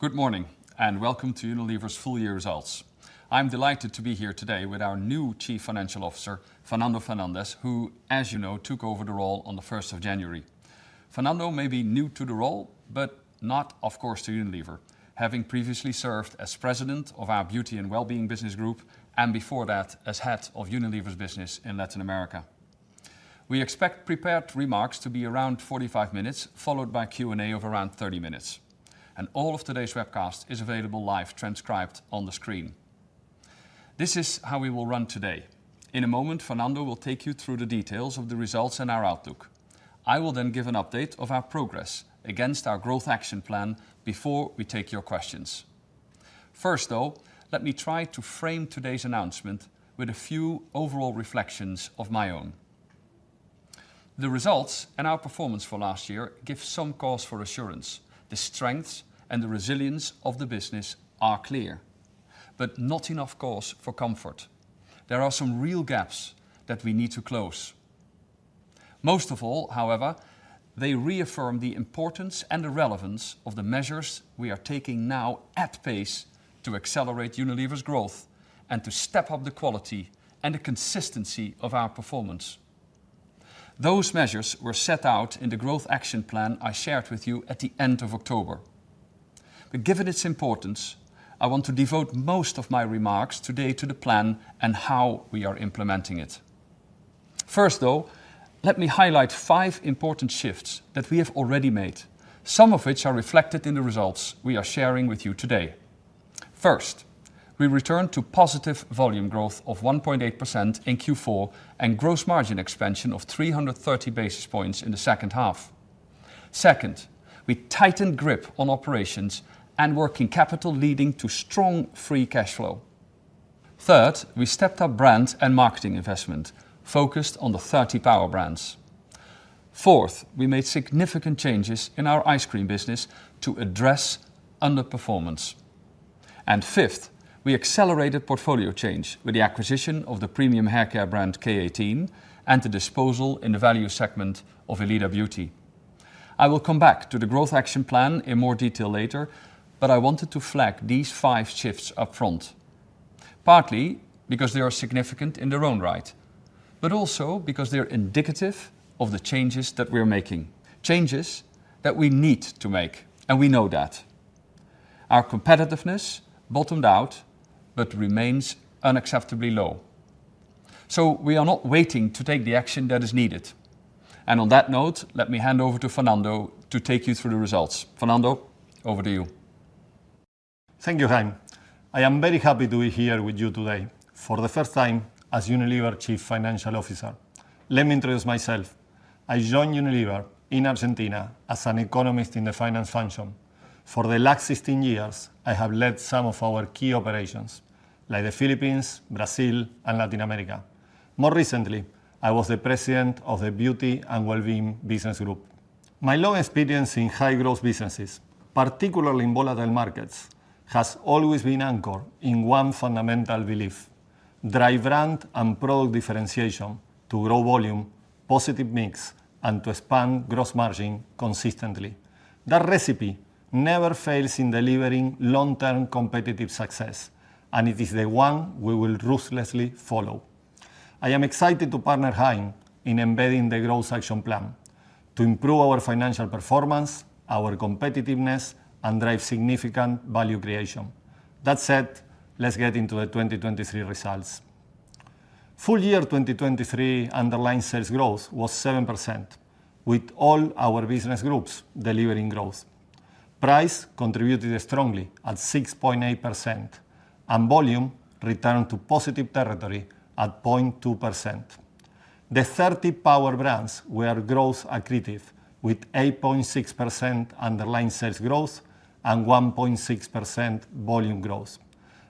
Good morning, and welcome to Unilever's full year results. I'm delighted to be here today with our new Chief Financial Officer, Fernando Fernandez, who, as you know, took over the role on the first of January. Fernando may be new to the role, but not, of course, to Unilever, having previously served as president of our Beauty and Wellbeing Business Group, and before that, as head of Unilever's business in Latin America. We expect prepared remarks to be around 45 minutes, followed by Q&A of around 30 minutes. All of today's webcast is available live, transcribed on the screen. This is how we will run today. In a moment, Fernando will take you through the details of the results and our outlook. I will then give an update of our progress against our Growth Action Plan before we take your questions. First, though, let me try to frame today's announcement with a few overall reflections of my own. The results and our performance for last year give some cause for assurance. The strengths and the resilience of the business are clear, but not enough cause for comfort. There are some real gaps that we need to close. Most of all, however, they reaffirm the importance and the relevance of the measures we are taking now at pace to accelerate Unilever's growth and to step up the quality and the consistency of our performance. Those measures were set out in the Growth Action Plan I shared with you at the end of October. But given its importance, I want to devote most of my remarks today to the plan and how we are implementing it. First, though, let me highlight five important shifts that we have already made, some of which are reflected in the results we are sharing with you today. First, we return to positive volume growth of 1.8% in Q4, and gross margin expansion of 330 basis points in the second half. Second, we tightened grip on operations and working capital, leading to strong free cash flow. Third, we stepped up brand and marketing investment, focused on the 30 Power Brands. Fourth, we made significant changes in our ice cream business to address underperformance. And fifth, we accelerated portfolio change with the acquisition of the premium haircare brand, K18, and the disposal in the value segment of Elida Beauty. I will come back to the Growth Action Plan in more detail later, but I wanted to flag these five shifts up front, partly because they are significant in their own right, but also because they are indicative of the changes that we are making, changes that we need to make, and we know that. Our competitiveness bottomed out but remains unacceptably low. We are not waiting to take the action that is needed. On that note, let me hand over to Fernando to take you through the results. Fernando, over to you. Thank you, Hein. I am very happy to be here with you today for the first time as Unilever Chief Financial Officer. Let me introduce myself. I joined Unilever in Argentina as an economist in the finance function. For the last 16 years, I have led some of our key operations, like the Philippines, Brazil, and Latin America. More recently, I was the president of the Beauty and Wellbeing Business Group. My long experience in high-growth businesses, particularly in volatile markets, has always been anchored in one fundamental belief: drive brand and product differentiation to grow volume, positive mix, and to expand gross margin consistently. That recipe never fails in delivering long-term competitive success, and it is the one we will ruthlessly follow. I am excited to partner Hein in embedding the Growth Action Plan to improve our financial performance, our competitiveness, and drive significant value creation. That said, let's get into the 2023 results. Full year 2023 underlying sales growth was 7%, with all our business groups delivering growth. Price contributed strongly at 6.8%, and volume returned to positive territory at 0.2%. The 30 Power Brands were growth accretive, with 8.6% underlying sales growth and 1.6% volume growth.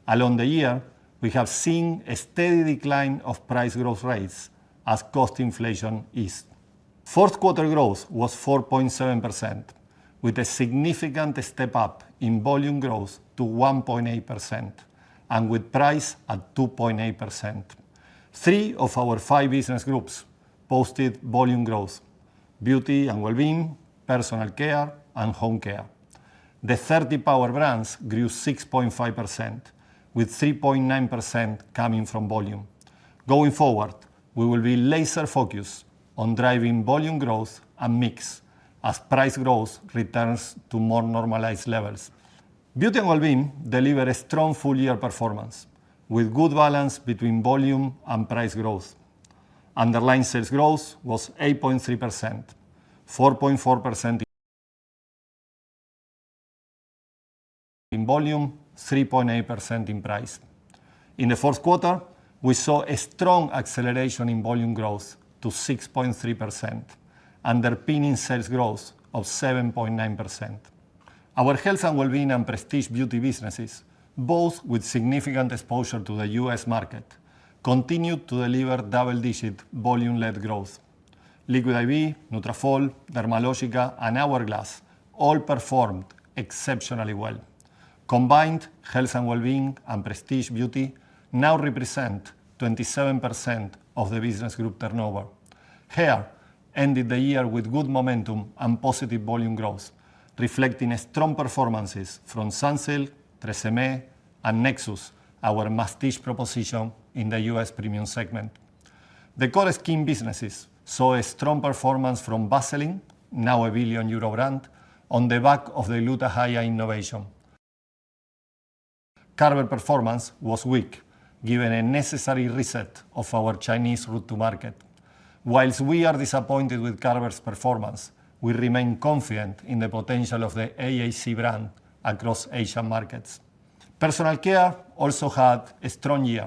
Along the year, we have seen a steady decline of price growth rates as cost inflation is. Fourth quarter growth was 4.7%, with a significant step up in volume growth to 1.8% and with price at 2.8%. Three of our five business groups posted volume growth: Beauty and Personal Care, and Home Care. The 30 Power Brands grew 6.5%, with 3.9% coming from volume. Going forward, we will be laser focused on driving volume growth and mix as price growth returns to more normalized levels. Beauty and Wellbeing delivered a strong full year performance with good balance between volume and price growth. Underlying sales growth was 8.3%, 4.4% in volume, 3.8% in price. In the fourth quarter, we saw a strong acceleration in volume growth to 6.3%, underpinning sales growth of 7.9%. Our Health and Wellbeing and Prestige Beauty businesses, both with significant exposure to the U.S. market, continued to deliver double-digit volume-led growth. Liquid I.V., Nutrafol, Dermalogica, and Hourglass all performed exceptionally well. Combined, Health and Wellbeing and Prestige Beauty now represent 27% of the business group turnover. Hair Care ended the year with good momentum and positive volume growth, reflecting strong performances from Sunsilk, TRESemmé, and Nexxus, our masstige proposition in the US premium segment. The skincare businesses saw a strong performance from Vaseline, now a 1 billion euro brand, on the back of the Gluta-Hya innovation. Skincare performance was weak, given a necessary reset of our Chinese route to market. While we are disappointed with skincare's performance, we remain confident in the potential of the skincare brand across Asian Personal Care also had a strong year,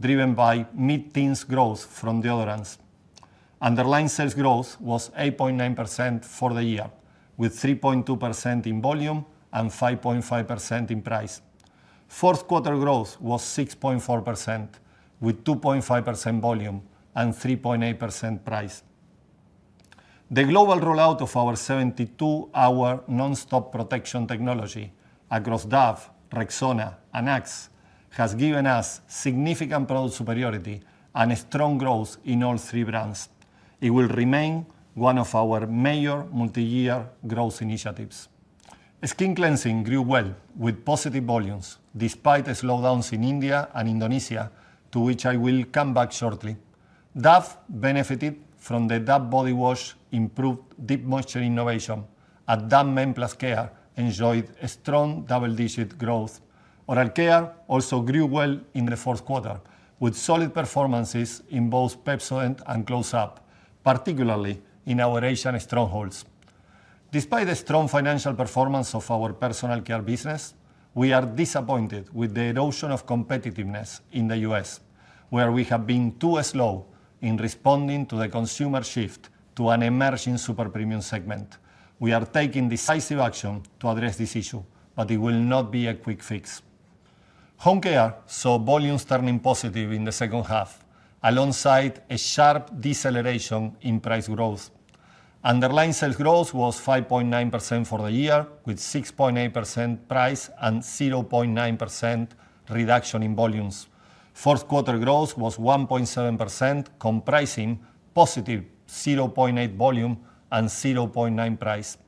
driven by mid-teens growth from deodorants. Underlying sales growth was 8.9% for the year, with 3.2% in volume and 5.5% in price. Fourth quarter growth was 6.4%, with 2.5% volume and 3.8% price. The global rollout of our 72-hour nonstop protection technology across Dove, Rexona, and Axe has given us significant product superiority and a strong growth in all three brands. It will remain one of our major multi-year growth initiatives. Skin cleansing grew well with positive volumes, despite the slowdowns in India and Indonesia, to which I will come back shortly. Dove benefited from the Dove body wash improved Deep Moisture innovation, and Dove Men+Care enjoyed a strong double-digit growth. Oral care also grew well in the fourth quarter, with solid performances in both Pepsodent and Close-Up, particularly in our Asian strongholds. Despite the strong financial performance of Personal Care business, we are disappointed with the erosion of competitiveness in the U.S., where we have been too slow in responding to the consumer shift to an emerging super premium segment. We are taking decisive action to address this issue, but it will not be a quick fix. Home Care saw volumes turning positive in the second half, alongside a sharp deceleration in price growth. Underlying sales growth was 5.9% for the year, with 6.8% price and 0.9% reduction in volumes. Fourth quarter growth was 1.7%, comprising positive 0.8 volume and 0.9 price.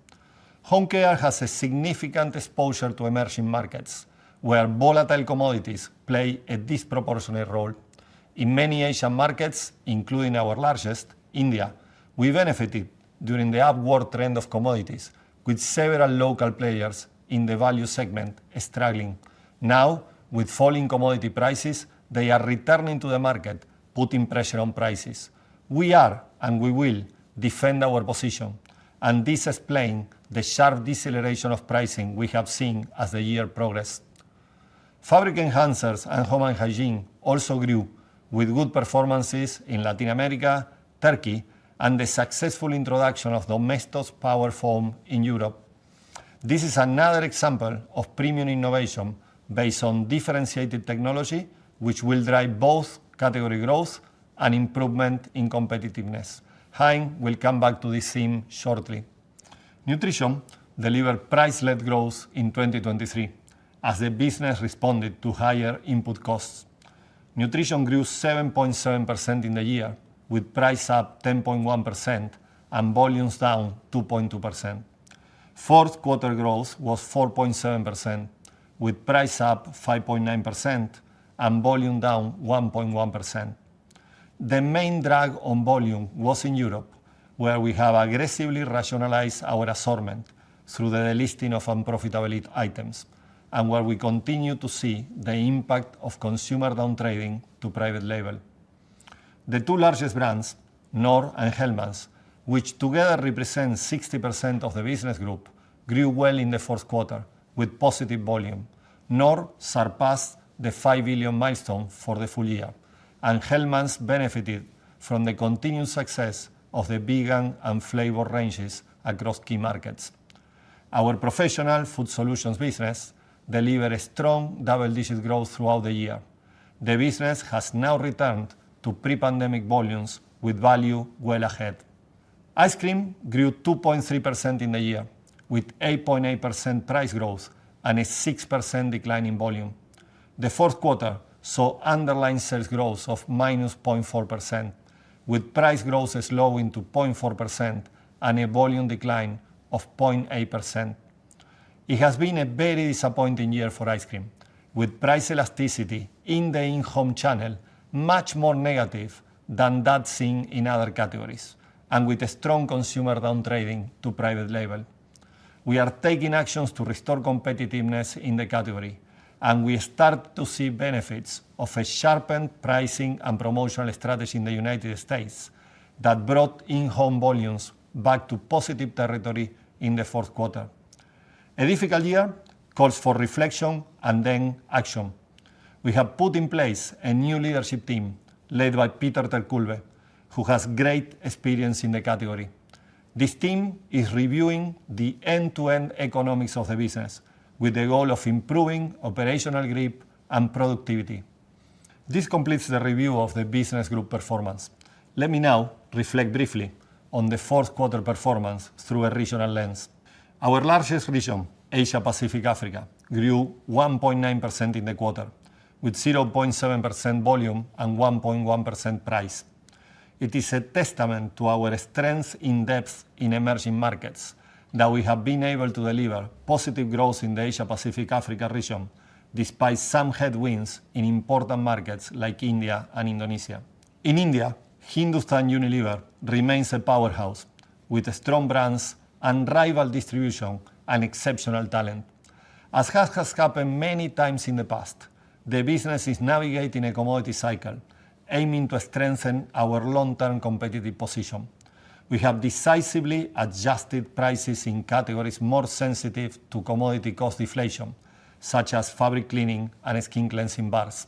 Home Care has a significant exposure to emerging markets, where volatile commodities play a disproportionate role. In many Asian markets, including our largest, India, we benefited during the upward trend of commodities, with several local players in the value segment struggling. Now, with falling commodity prices, they are returning to the market, putting pressure on prices. We are, and we will, defend our position, and this explains the sharp deceleration of pricing we have seen as the year progressed. Fabric Enhancers and Home and Hygiene also grew with good performances in Latin America, Turkey, and the successful introduction of Domestos Power Foam in Europe. This is another example of premium innovation based on differentiated technology, which will drive both category growth and improvement in competitiveness. Hein will come back to this theme shortly. Nutrition delivered price-led growth in 2023 as the business responded to higher input costs. Nutrition grew 7.7% in the year, with price up 10.1% and volumes down 2.2%. Fourth quarter growth was 4.7%, with price up 5.9% and volume down 1.1%. The main drag on volume was in Europe, where we have aggressively rationalized our assortment through the delisting of unprofitable items and where we continue to see the impact of consumer downtrading to private label. The two largest brands, Knorr and Hellmann's, which together represent 60% of the business group, grew well in the fourth quarter with positive volume. Knorr surpassed the 5 billion milestone for the full year, and Hellmann's benefited from the continued success of the vegan and flavor ranges across key markets. Our professional Food Solutions business delivered a strong double-digit growth throughout the year. The business has now returned to pre-pandemic volumes, with value well ahead. Ice cream grew 2.3% in the year, with 8.8% price growth and a 6% decline in volume. The fourth quarter saw underlying sales growth of -0.4%, with price growth slowing to 0.4% and a volume decline of 0.8%. It has been a very disappointing year for ice cream, with price elasticity in the in-home channel much more negative than that seen in other categories, and with a strong consumer downtrading to private label. We are taking actions to restore competitiveness in the category, and we start to see benefits of a sharpened pricing and promotional strategy in the United States that brought in-home volumes back to positive territory in the fourth quarter. A difficult year calls for reflection and then action. We have put in place a new leadership team led by Peter ter Kulve, who has great experience in the category. This team is reviewing the end-to-end economics of the business, with the goal of improving operational grip and productivity. This completes the review of the business group performance. Let me now reflect briefly on the fourth quarter performance through a regional lens. Our largest region, Asia Pacific Africa, grew 1.9% in the quarter, with 0.7% volume and 1.1% price. It is a testament to our strength in depth in emerging markets, that we have been able to deliver positive growth in the Asia Pacific Africa region, despite some headwinds in important markets like India and Indonesia. In India, Hindustan Unilever remains a powerhouse, with strong brands and rural distribution and exceptional talent. As has happened many times in the past, the business is navigating a commodity cycle, aiming to strengthen our long-term competitive position. We have decisively adjusted prices in categories more sensitive to commodity cost deflation, such as fabric cleaning and skin cleansing bars.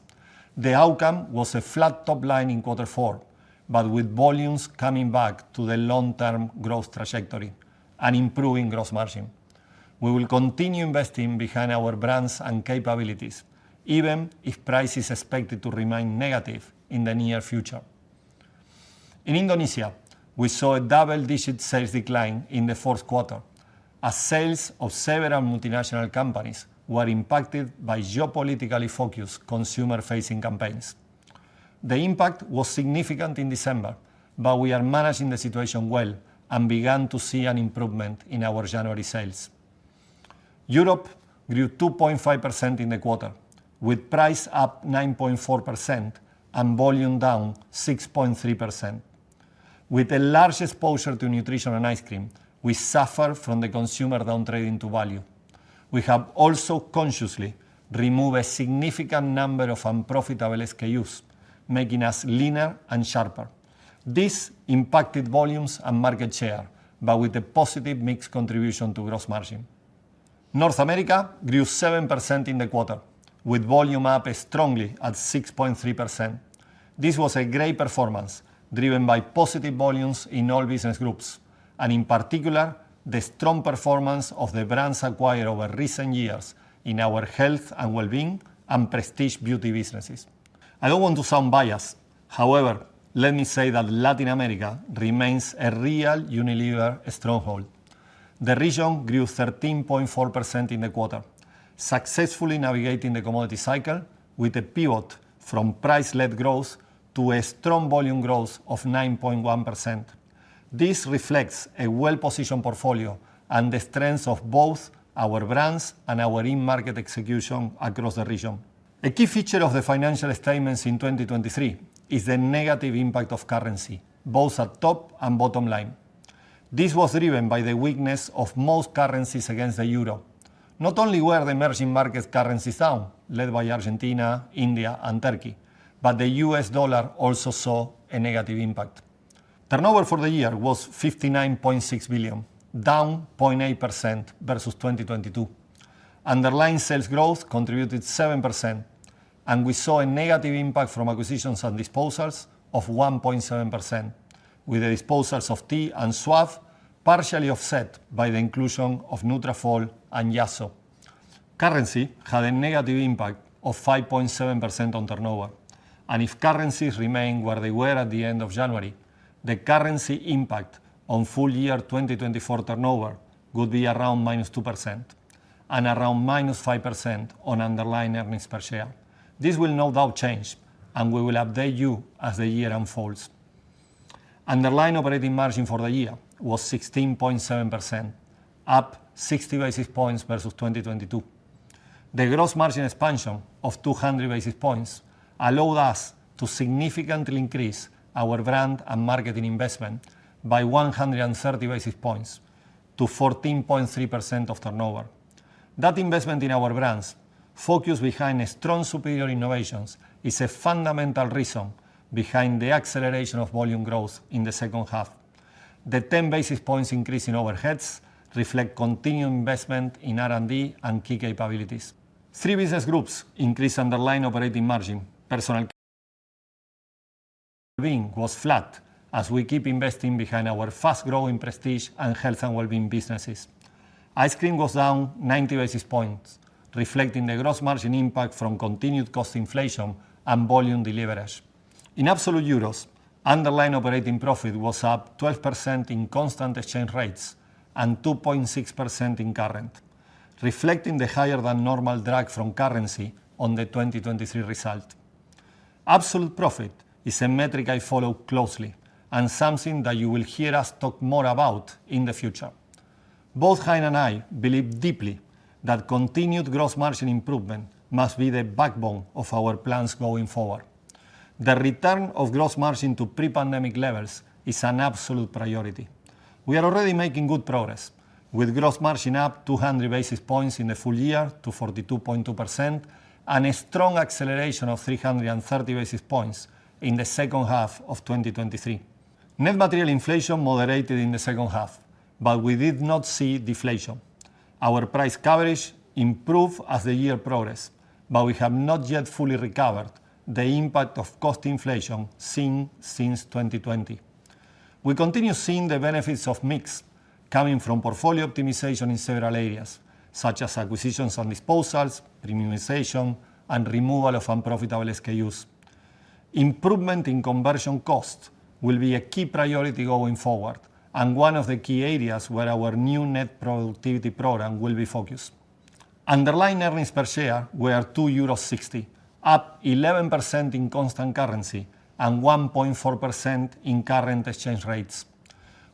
The outcome was a flat top line in quarter four, but with volumes coming back to the long-term growth trajectory and improving gross margin. We will continue investing behind our brands and capabilities, even if price is expected to remain negative in the near future. In Indonesia, we saw a double-digit sales decline in the fourth quarter, as sales of several multinational companies were impacted by geopolitically focused consumer-facing campaigns. The impact was significant in December, but we are managing the situation well and began to see an improvement in our January sales. Europe grew 2.5% in the quarter, with price up 9.4% and volume down 6.3%. With a large exposure to nutrition and ice cream, we suffer from the consumer downtrend into value. We have also consciously removed a significant number of unprofitable SKUs, making us leaner and sharper. This impacted volumes and market share, but with a positive mix contribution to gross margin. North America grew 7% in the quarter, with volume up strongly at 6.3%. This was a great performance, driven by positive volumes in all business groups, and in particular, the strong performance of the brands acquired over recent years in our health and well-being and prestige beauty businesses. I don't want to sound biased, however, let me say that Latin America remains a real Unilever stronghold. The region grew 13.4% in the quarter, successfully navigating the commodity cycle with a pivot from price-led growth to a strong volume growth of 9.1%. This reflects a well-positioned portfolio and the strength of both our brands and our in-market execution across the region. A key feature of the financial statements in 2023 is the negative impact of currency, both at top and bottom line. This was driven by the weakness of most currencies against the euro. Not only were the emerging markets currencies down, led by Argentina, India, and Turkey, but the US dollar also saw a negative impact. Turnover for the year was 59.6 billion, down 0.8% versus 2022. Underlying sales growth contributed 7%, and we saw a negative impact from acquisitions and disposals of 1.7%, with the disposals of Tea and Suave partially offset by the inclusion of Nutrafol and Yasso. Currency had a negative impact of 5.7% on turnover, and if currencies remain where they were at the end of January, the currency impact on full year 2024 turnover would be around -2% and around -5% on underlying earnings per share. This will no doubt change, and we will update you as the year unfolds. Underlying operating margin for the year was 16.7%, up 60 basis points versus 2022. The gross margin expansion of 200 basis points allowed us to significantly increase our brand and marketing investment by 130 basis points to 14.3% of turnover. That investment in our brands, focused behind strong, superior innovations, is a fundamental reason behind the acceleration of volume growth in the second half. The 10 basis points increase in overheads reflect continued investment in R&D and key capabilities. Three business groups increased underlying operating margin. Beauty & Wellbeing was flat, as we keep investing behind our fast-growing prestige and health and well-being businesses. Ice cream was down 90 basis points, reflecting the gross margin impact from continued cost inflation and volume deleverage. In absolute EUR, underlying operating profit was up 12% in constant exchange rates and 2.6% in current, reflecting the higher than normal drag from currency on the 2023 result. Absolute profit is a metric I follow closely, and something that you will hear us talk more about in the future. Both Hein and I believe deeply that continued gross margin improvement must be the backbone of our plans going forward. The return of gross margin to pre-pandemic levels is an absolute priority. We are already making good progress, with gross margin up 200 basis points in the full year to 42.2%, and a strong acceleration of 330 basis points in the second half of 2023. Net material inflation moderated in the second half, but we did not see deflation. Our price coverage improved as the year progressed, but we have not yet fully recovered the impact of cost inflation seen since 2020. We continue seeing the benefits of mix coming from portfolio optimization in several areas, such as acquisitions and disposals, premiumization, and removal of unprofitable SKUs.... Improvement in conversion costs will be a key priority going forward, and one of the key areas where our new net productivity program will be focused. Underlying earnings per share were 2.60 euros, up 11% in constant currency and 1.4% in current exchange rates.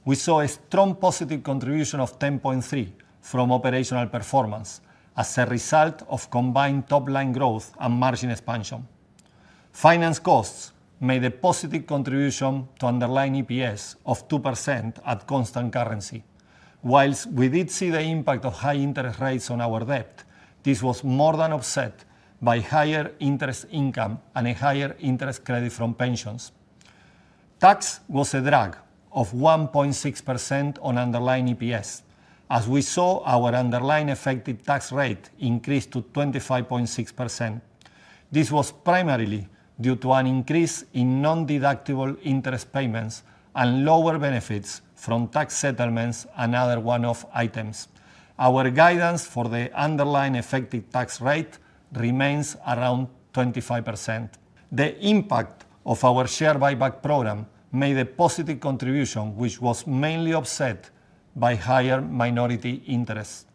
We saw a strong positive contribution of 10.3 from operational performance as a result of combined top-line growth and margin expansion. Finance costs made a positive contribution to underlying EPS of 2% at constant currency. While we did see the impact of high interest rates on our debt, this was more than offset by higher interest income and a higher interest credit from pensions. Tax was a drag of 1.6% on underlying EPS, as we saw our underlying effective tax rate increase to 25.6%. This was primarily due to an increase in non-deductible interest payments and lower benefits from tax settlements and other one-off items. Our guidance for the underlying effective tax rate remains around 25%. The impact of our share buyback program made a positive contribution, which was mainly offset by higher minority interest.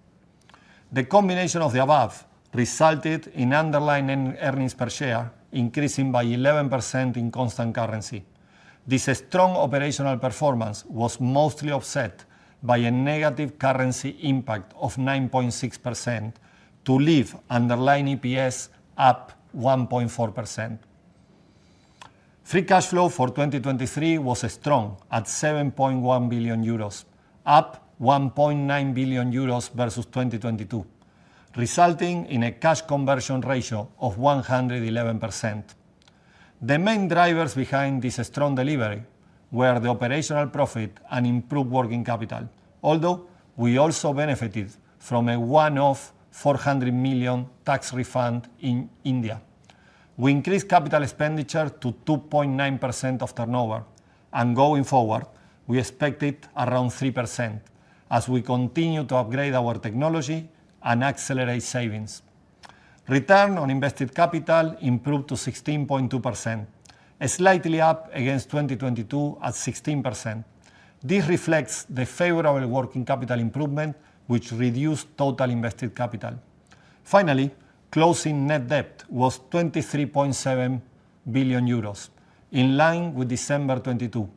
The combination of the above resulted in underlying earnings per share increasing by 11% in constant currency. This strong operational performance was mostly offset by a negative currency impact of 9.6% to leave underlying EPS up 1.4%. Free cash flow for 2023 was strong at 7.1 billion euros, up 1.9 billion euros versus 2022, resulting in a cash conversion ratio of 111%. The main drivers behind this strong delivery were the operational profit and improved working capital, although we also benefited from a one-off 400 million tax refund in India. We increased capital expenditure to 2.9% of turnover, and going forward, we expect it around 3% as we continue to upgrade our technology and accelerate savings. Return on invested capital improved to 16.2%, slightly up against 2022 at 16%. This reflects the favorable working capital improvement, which reduced total invested capital. Finally, closing net debt was 23.7 billion euros, in line with December 2022.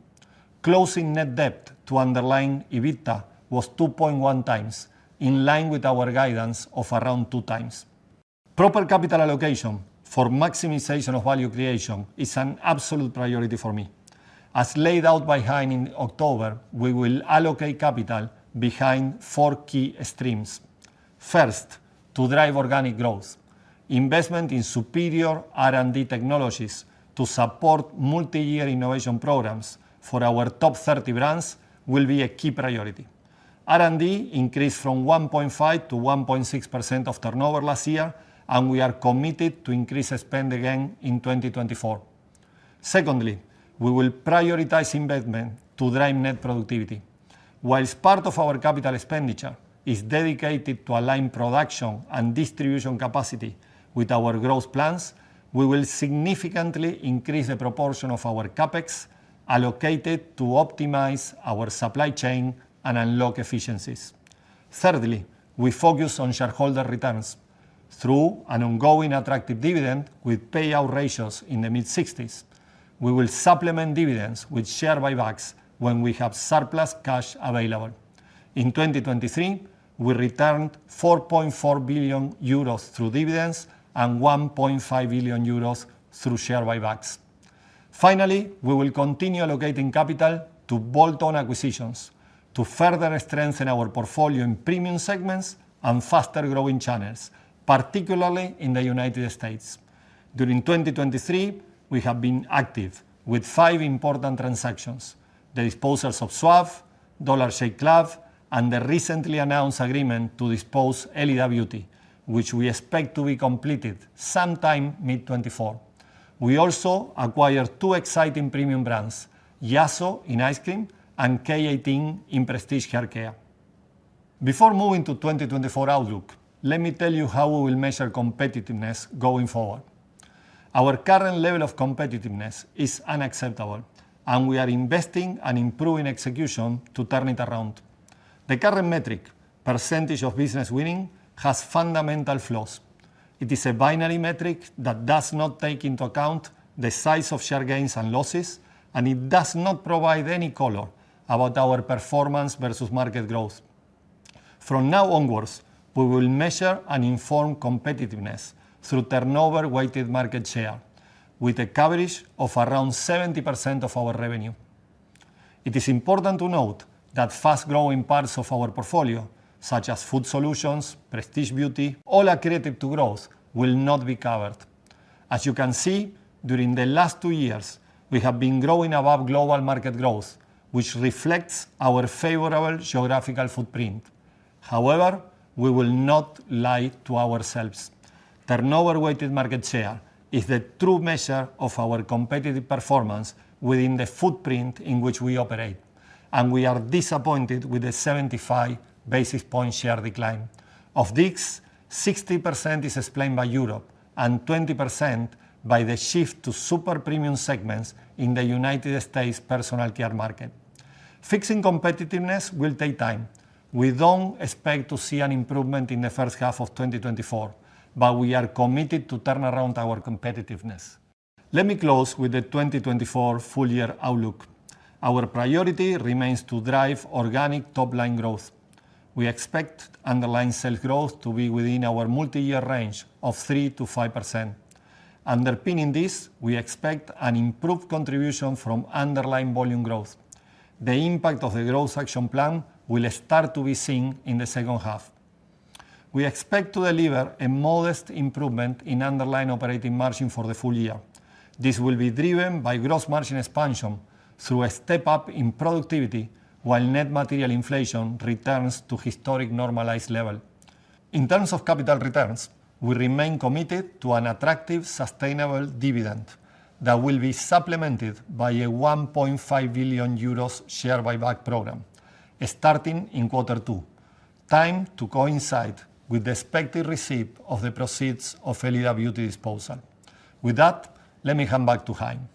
Closing net debt to underlying EBITDA was 2.1 times, in line with our guidance of around 2 times. Proper capital allocation for maximization of value creation is an absolute priority for me. As laid out by Hein in October, we will allocate capital behind four key streams. First, to drive organic growth. Investment in superior R&D technologies to support multi-year innovation programs for our top 30 brands will be a key priority. R&D increased from 1.5% to 1.6% of turnover last year, and we are committed to increase spend again in 2024. Secondly, we will prioritize investment to drive net productivity. While part of our capital expenditure is dedicated to align production and distribution capacity with our growth plans, we will significantly increase the proportion of our CapEx allocated to optimize our supply chain and unlock efficiencies. Thirdly, we focus on shareholder returns through an ongoing attractive dividend with payout ratios in the mid-sixties. We will supplement dividends with share buybacks when we have surplus cash available. In 2023, we returned 4.4 billion euros through dividends and 1.5 billion euros through share buybacks. Finally, we will continue allocating capital to bolt-on acquisitions to further strengthen our portfolio in premium segments and faster-growing channels, particularly in the United States. During 2023, we have been active with five important transactions: the disposals of Suave, Dollar Shave Club, and the recently announced agreement to dispose Elida Beauty, which we expect to be completed sometime mid-2024. We also acquired two exciting premium brands, Yasso in ice cream and K18 in prestige hair care. Before moving to 2024 outlook, let me tell you how we will measure competitiveness going forward. Our current level of competitiveness is unacceptable, and we are investing and improving execution to turn it around. The current metric, percentage of business winning, has fundamental flaws. It is a binary metric that does not take into account the size of share gains and losses, and it does not provide any color about our performance versus market growth. From now onwards, we will measure and inform competitiveness through turnover-weighted market share with a coverage of around 70% of our revenue. It is important to note that fast-growing parts of our portfolio, such as Food Solutions, prestige beauty, all accretive to growth, will not be covered. As you can see, during the last two years, we have been growing above global market growth, which reflects our favorable geographical footprint. However, we will not lie to ourselves. Turnover-weighted market share is the true measure of our competitive performance within the footprint in which we operate, and we are disappointed with the 75 basis point share decline. Of this, 60% is explained by Europe and 20% by the shift to super premium segments in the United Personal Care market.... Fixing competitiveness will take time. We don't expect to see an improvement in the first half of 2024, but we are committed to turn around our competitiveness. Let me close with the 2024 full year outlook. Our priority remains to drive organic top line growth. We expect underlying sales growth to be within our multi-year range of 3%-5%. Underpinning this, we expect an improved contribution from underlying volume growth. The impact of the Growth Action Plan will start to be seen in the second half. We expect to deliver a modest improvement in underlying operating margin for the full year. This will be driven by gross margin expansion through a step up in productivity, while net material inflation returns to historic normalized level. In terms of capital returns, we remain committed to an attractive, sustainable dividend that will be supplemented by a 1.5 billion euros share buyback program, starting in quarter two, timed to coincide with the expected receipt of the proceeds of Elida Beauty disposal. With that, let me hand back to Hein.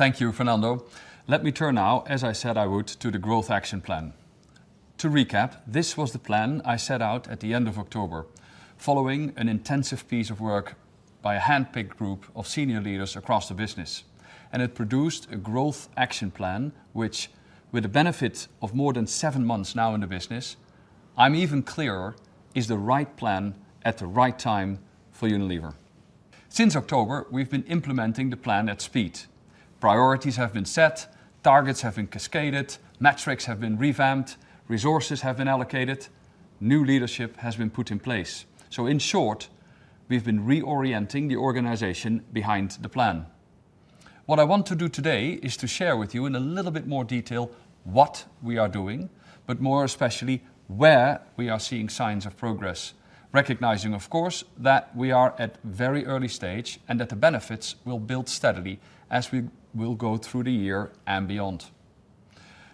Thank you, Fernando. Let me turn now, as I said I would, to the Growth Action Plan. To recap, this was the plan I set out at the end of October, following an intensive piece of work by a handpicked group of senior leaders across the business, and it produced a Growth Action Plan, which, with the benefit of more than seven months now in the business, I'm even clearer is the right plan at the right time for Unilever. Since October, we've been implementing the plan at speed. Priorities have been set, targets have been cascaded, metrics have been revamped, resources have been allocated, new leadership has been put in place. So in short, we've been reorienting the organization behind the plan. What I want to do today is to share with you in a little bit more detail what we are doing, but more especially, where we are seeing signs of progress. Recognizing, of course, that we are at very early stage and that the benefits will build steadily as we will go through the year and beyond.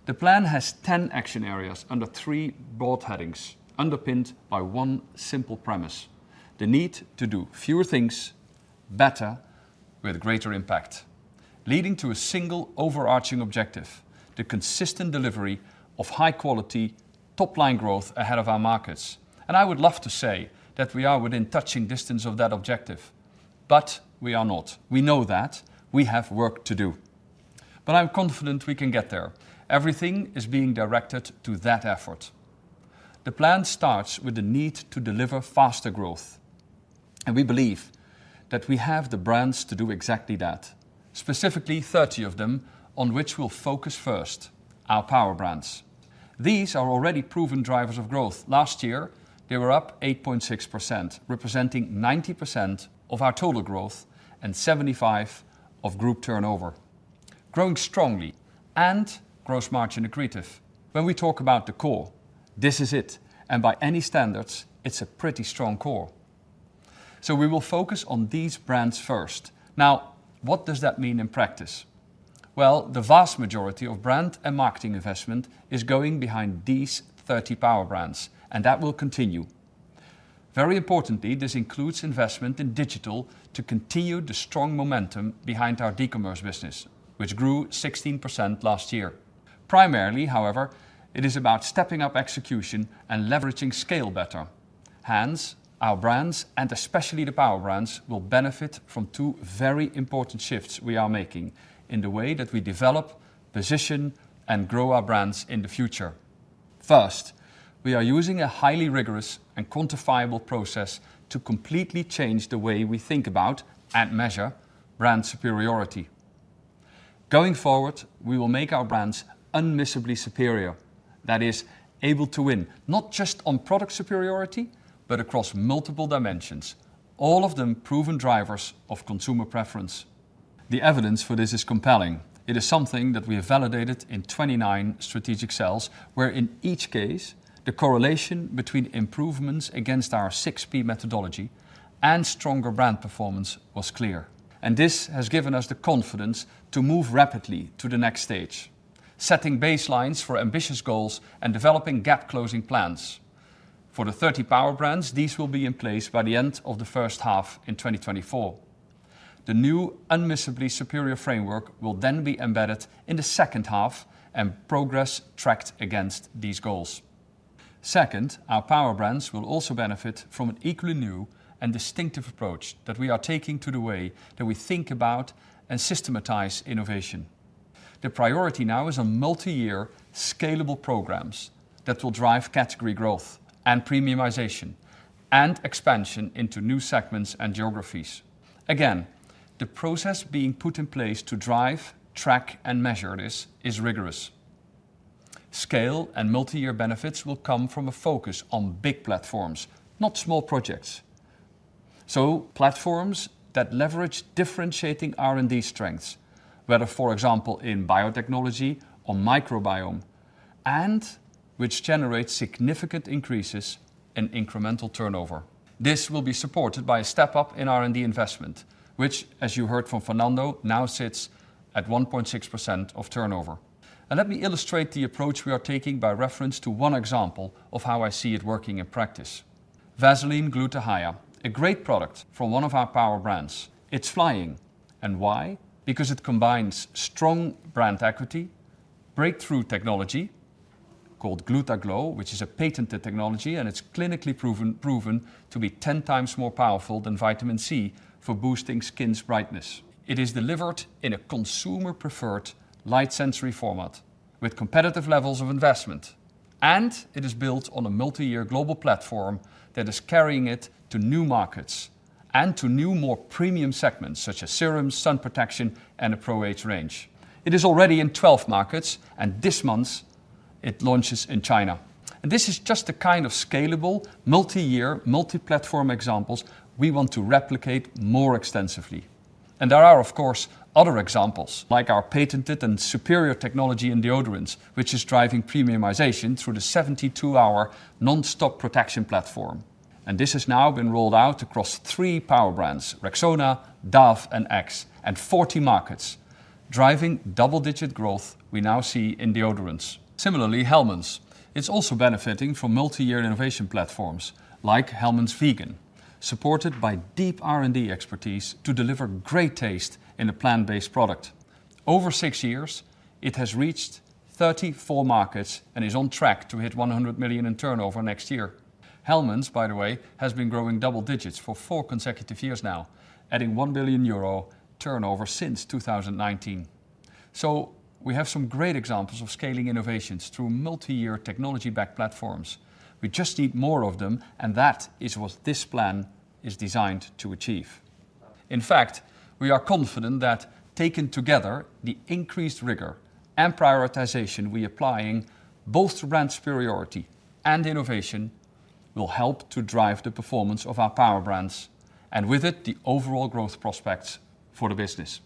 The plan has 10 action areas under three broad headings, underpinned by one simple premise: the need to do fewer things better with greater impact, leading to a single overarching objective, the consistent delivery of high quality top line growth ahead of our markets. And I would love to say that we are within touching distance of that objective, but we are not. We know that. We have work to do. But I'm confident we can get there. Everything is being directed to that effort. The plan starts with the need to deliver faster growth, and we believe that we have the brands to do exactly that, specifically 30 of them on which we'll focus first, our Power Brands. These are already proven drivers of growth. Last year, they were up 8.6%, representing 90% of our total growth and 75% of group turnover. Growing strongly and gross margin accretive. When we talk about the core, this is it, and by any standards, it's a pretty strong core. So we will focus on these brands first. Now, what does that mean in practice? Well, the vast majority of brand and marketing investment is going behind these 30 Power Brands, and that will continue. Very importantly, this includes investment in digital to continue the strong momentum behind our D-commerce business, which grew 16% last year. Primarily, however, it is about stepping up execution and leveraging scale better. Hence, our brands, and especially the Power Brands, will benefit from two very important shifts we are making in the way that we develop, position, and grow our brands in the future. First, we are using a highly rigorous and quantifiable process to completely change the way we think about and measure brand superiority. Going forward, we will make our brands unmissably superior, that is, able to win, not just on product superiority, but across multiple dimensions, all of them proven drivers of consumer preference. The evidence for this is compelling. It is something that we have validated in 29 strategic sales, where in each case, the correlation between improvements against our 6P methodology and stronger brand performance was clear, and this has given us the confidence to move rapidly to the next stage, setting baselines for ambitious goals and developing gap closing plans. For the 30 Power Brands, these will be in place by the end of the first half in 2024. The new unmissably superior framework will then be embedded in the second half, and progress tracked against these goals. Second, our Power Brands will also benefit from an equally new and distinctive approach that we are taking to the way that we think about and systematize innovation. The priority now is a multi-year scalable programs that will drive category growth and premiumization and expansion into new segments and geographies. Again, the process being put in place to drive, track, and measure this is rigorous. Scale and multi-year benefits will come from a focus on big platforms, not small projects. So platforms that leverage differentiating R&D strengths, whether, for example, in biotechnology or microbiome, and which generates significant increases in incremental turnover. This will be supported by a step up in R&D investment, which, as you heard from Fernando, now sits at 1.6% of turnover. And let me illustrate the approach we are taking by reference to one example of how I see it working in practice. Vaseline Gluta-Hya, a great product from one of our Power Brands. It's flying. And why? Because it combines strong brand equity, breakthrough technology called GlutaGlow, which is a patented technology, and it's clinically proven, proven to be ten times more powerful than vitamin C for boosting skin's brightness. It is delivered in a consumer-preferred light sensory format with competitive levels of investment, and it is built on a multi-year global platform that is carrying it to new markets and to new, more premium segments, such as serums, sun protection, and a Pro Age range. It is already in 12 markets, and this month, it launches in China. This is just the kind of scalable, multi-year, multi-platform examples we want to replicate more extensively. There are, of course, other examples, like our patented and superior technology in deodorants, which is driving premiumization through the 72-hour nonstop protection platform. This has now been rolled out across 3 Power Brands, Rexona, Dove, and Axe, and 40 markets, driving double-digit growth we now see in deodorants. Similarly, Hellmann's, it's also benefiting from multi-year innovation platforms like Hellmann's Vegan, supported by deep R&D expertise to deliver great taste in a plant-based product. Over 6 years, it has reached 34 markets and is on track to hit 100 million in turnover next year. Hellmann's, by the way, has been growing double digits for 4 consecutive years now, adding 1 billion euro turnover since 2019. So we have some great examples of scaling innovations through multi-year, technology-backed platforms. We just need more of them, and that is what this plan is designed to achieve. In fact, we are confident that, taken together, the increased rigor and prioritization we applying, both to brand superiority and innovation, will help to drive the performance of our Power Brands and with it, the overall growth prospects for the business.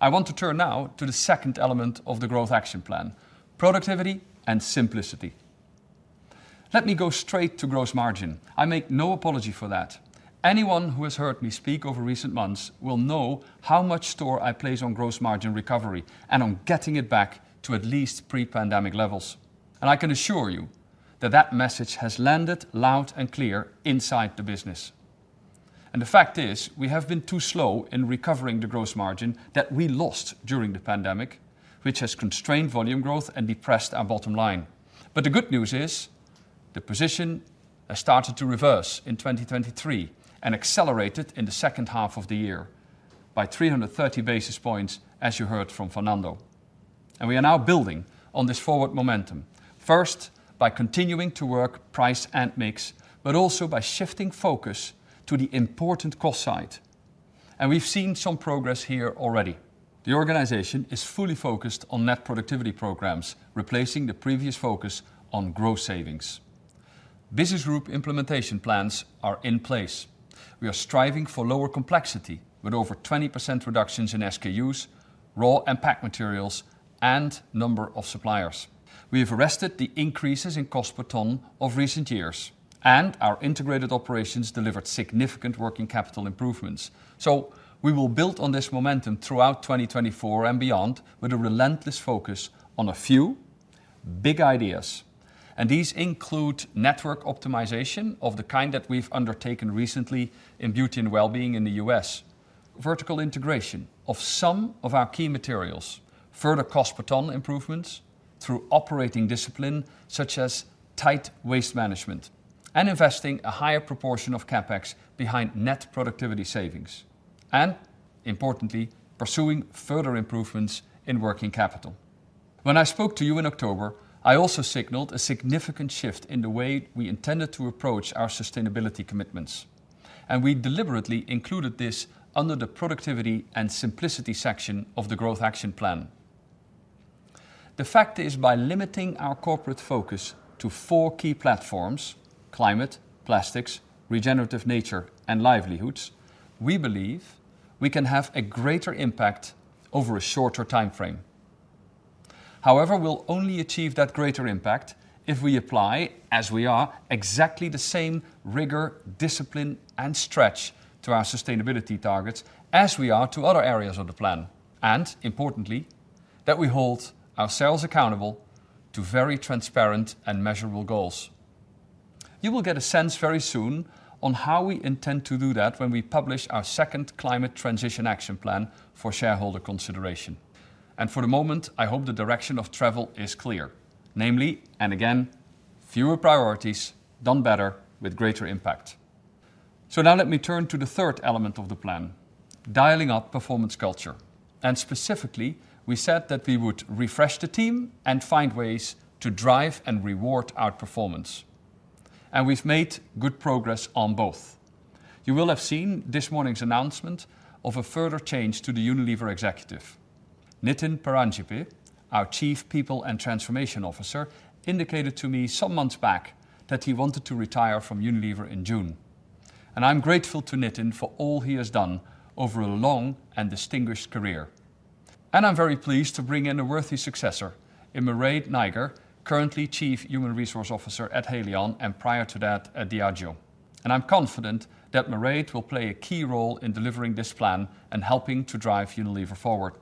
I want to turn now to the second element of the Growth Action Plan, productivity and simplicity. Let me go straight to gross margin. I make no apology for that. Anyone who has heard me speak over recent months will know how much store I place on gross margin recovery and on getting it back to at least pre-pandemic levels. I can assure you that that message has landed loud and clear inside the business. The fact is, we have been too slow in recovering the gross margin that we lost during the pandemic, which has constrained volume growth and depressed our bottom line. The good news is, the position has started to reverse in 2023 and accelerated in the second half of the year by 330 basis points, as you heard from Fernando. And we are now building on this forward momentum, first, by continuing to work price and mix, but also by shifting focus to the important cost side. And we've seen some progress here already. The organization is fully focused on net productivity programs, replacing the previous focus on growth savings. Business group implementation plans are in place. We are striving for lower complexity, with over 20% reductions in SKUs, raw and pack materials, and number of suppliers. We have arrested the increases in cost per ton of recent years, and our integrated operations delivered significant working capital improvements. So we will build on this momentum throughout 2024 and beyond with a relentless focus on a few big ideas. These include network optimization of the kind that we've undertaken recently in beauty and wellbeing in the U.S., vertical integration of some of our key materials, further cost per ton improvements through operating discipline, such as tight waste management, and investing a higher proportion of CapEx behind net productivity savings, and importantly, pursuing further improvements in working capital. When I spoke to you in October, I also signaled a significant shift in the way we intended to approach our sustainability commitments, and we deliberately included this under the productivity and simplicity section of the Growth Action Plan. The fact is, by limiting our corporate focus to four key platforms, climate, plastics, regenerative nature, and livelihoods, we believe we can have a greater impact over a shorter time frame. However, we'll only achieve that greater impact if we apply, as we are, exactly the same rigor, discipline, and stretch to our sustainability targets as we are to other areas of the plan, and importantly, that we hold ourselves accountable to very transparent and measurable goals. You will get a sense very soon on how we intend to do that when we publish our second Climate Transition Action Plan for shareholder consideration. And for the moment, I hope the direction of travel is clear. Namely, and again, fewer priorities done better with greater impact. So now let me turn to the third element of the plan, dialing up performance culture. And specifically, we said that we would refresh the team and find ways to drive and reward outperformance. And we've made good progress on both. You will have seen this morning's announcement of a further change to the Unilever executive. Nitin Paranjpe, our Chief People and Transformation Officer, indicated to me some months back that he wanted to retire from Unilever in June, and I'm grateful to Nitin for all he has done over a long and distinguished career. I'm very pleased to bring in a worthy successor in Mairéad Nayager, currently Chief Human Resources Officer at Haleon, and prior to that, at Diageo. I'm confident that Mairéad will play a key role in delivering this plan and helping to drive Unilever forward.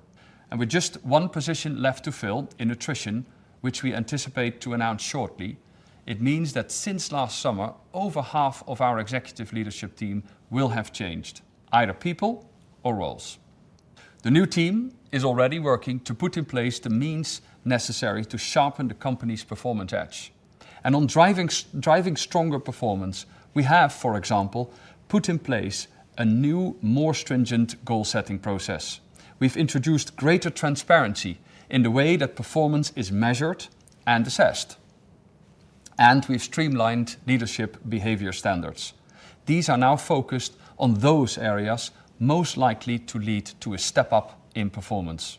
With just one position left to fill in nutrition, which we anticipate to announce shortly. It means that since last summer, over half of our executive leadership team will have changed, either people or roles. The new team is already working to put in place the means necessary to sharpen the company's performance edge. On driving driving stronger performance, we have, for example, put in place a new, more stringent goal-setting process. We've introduced greater transparency in the way that performance is measured and assessed, and we've streamlined leadership behavior standards. These are now focused on those areas most likely to lead to a step-up in performance.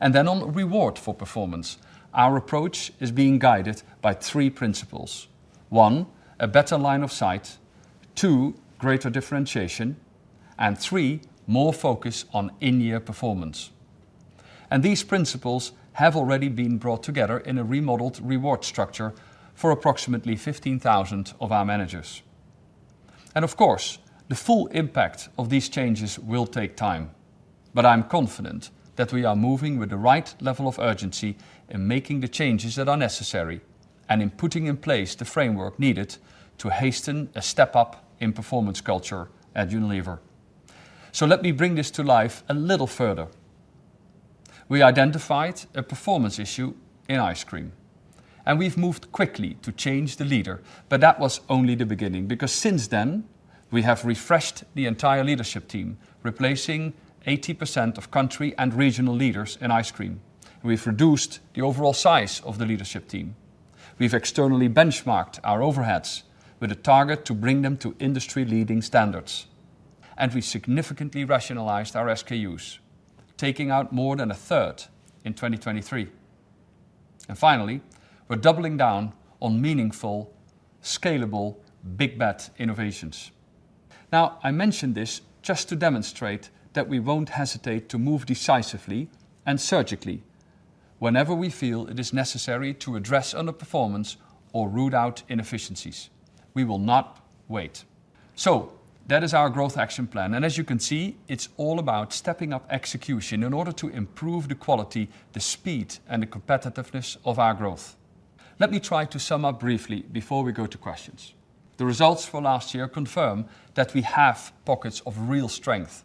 And then on reward for performance, our approach is being guided by three principles. One, a better line of sight. Two, greater differentiation. And three, more focus on in-year performance. And these principles have already been brought together in a remodeled reward structure for approximately 15,000 of our managers. Of course, the full impact of these changes will take time, but I'm confident that we are moving with the right level of urgency in making the changes that are necessary and in putting in place the framework needed to hasten a step-up in performance culture at Unilever. Let me bring this to life a little further. We identified a performance issue in ice cream, and we've moved quickly to change the leader, but that was only the beginning. Because since then, we have refreshed the entire leadership team, replacing 80% of country and regional leaders in ice cream. We've reduced the overall size of the leadership team. We've externally benchmarked our overheads with a target to bring them to industry-leading standards, and we significantly rationalized our SKUs, taking out more than a third in 2023. And finally, we're doubling down on meaningful, scalable, big bet innovations. Now, I mention this just to demonstrate that we won't hesitate to move decisively and surgically whenever we feel it is necessary to address underperformance or root out inefficiencies. We will not wait. So that is our Growth Action Plan, and as you can see, it's all about stepping up execution in order to improve the quality, the speed, and the competitiveness of our growth. Let me try to sum up briefly before we go to questions. The results for last year confirm that we have pockets of real strength,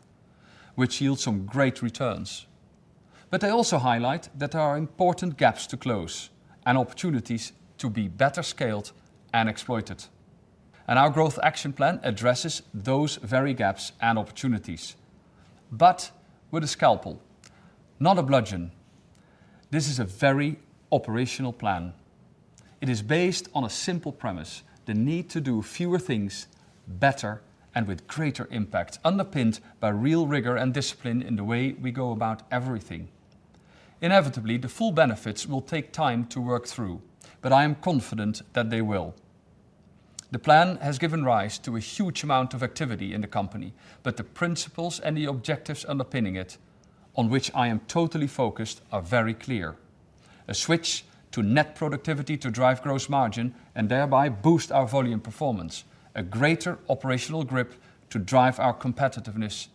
which yield some great returns, but they also highlight that there are important gaps to close and opportunities to be better scaled and exploited. And our Growth Action Plan addresses those very gaps and opportunities, but with a scalpel, not a bludgeon. This is a very operational plan. It is based on a simple premise, the need to do fewer things better and with greater impact, underpinned by real rigor and discipline in the way we go about everything. Inevitably, the full benefits will take time to work through, but I am confident that they will. The plan has given rise to a huge amount of activity in the company, but the principles and the objectives underpinning it, on which I am totally focused, are very clear. A switch to net productivity to drive gross margin and thereby boost our volume performance, a greater operational grip to drive our competitiveness,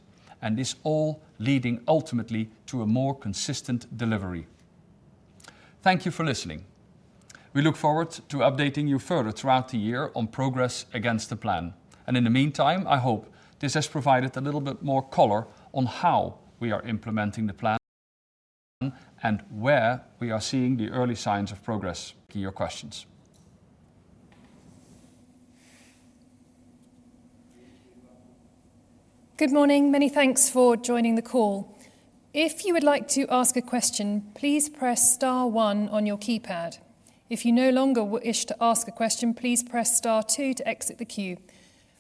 and this all leading ultimately to a more consistent delivery. Thank you for listening. We look forward to updating you further throughout the year on progress against the plan. In the meantime, I hope this has provided a little bit more color on how we are implementing the plan and where we are seeing the early signs of progress. Your questions. Good morning. Many thanks for joining the call. If you would like to ask a question, please press star one on your keypad. If you no longer wish to ask a question, please press star two to exit the queue.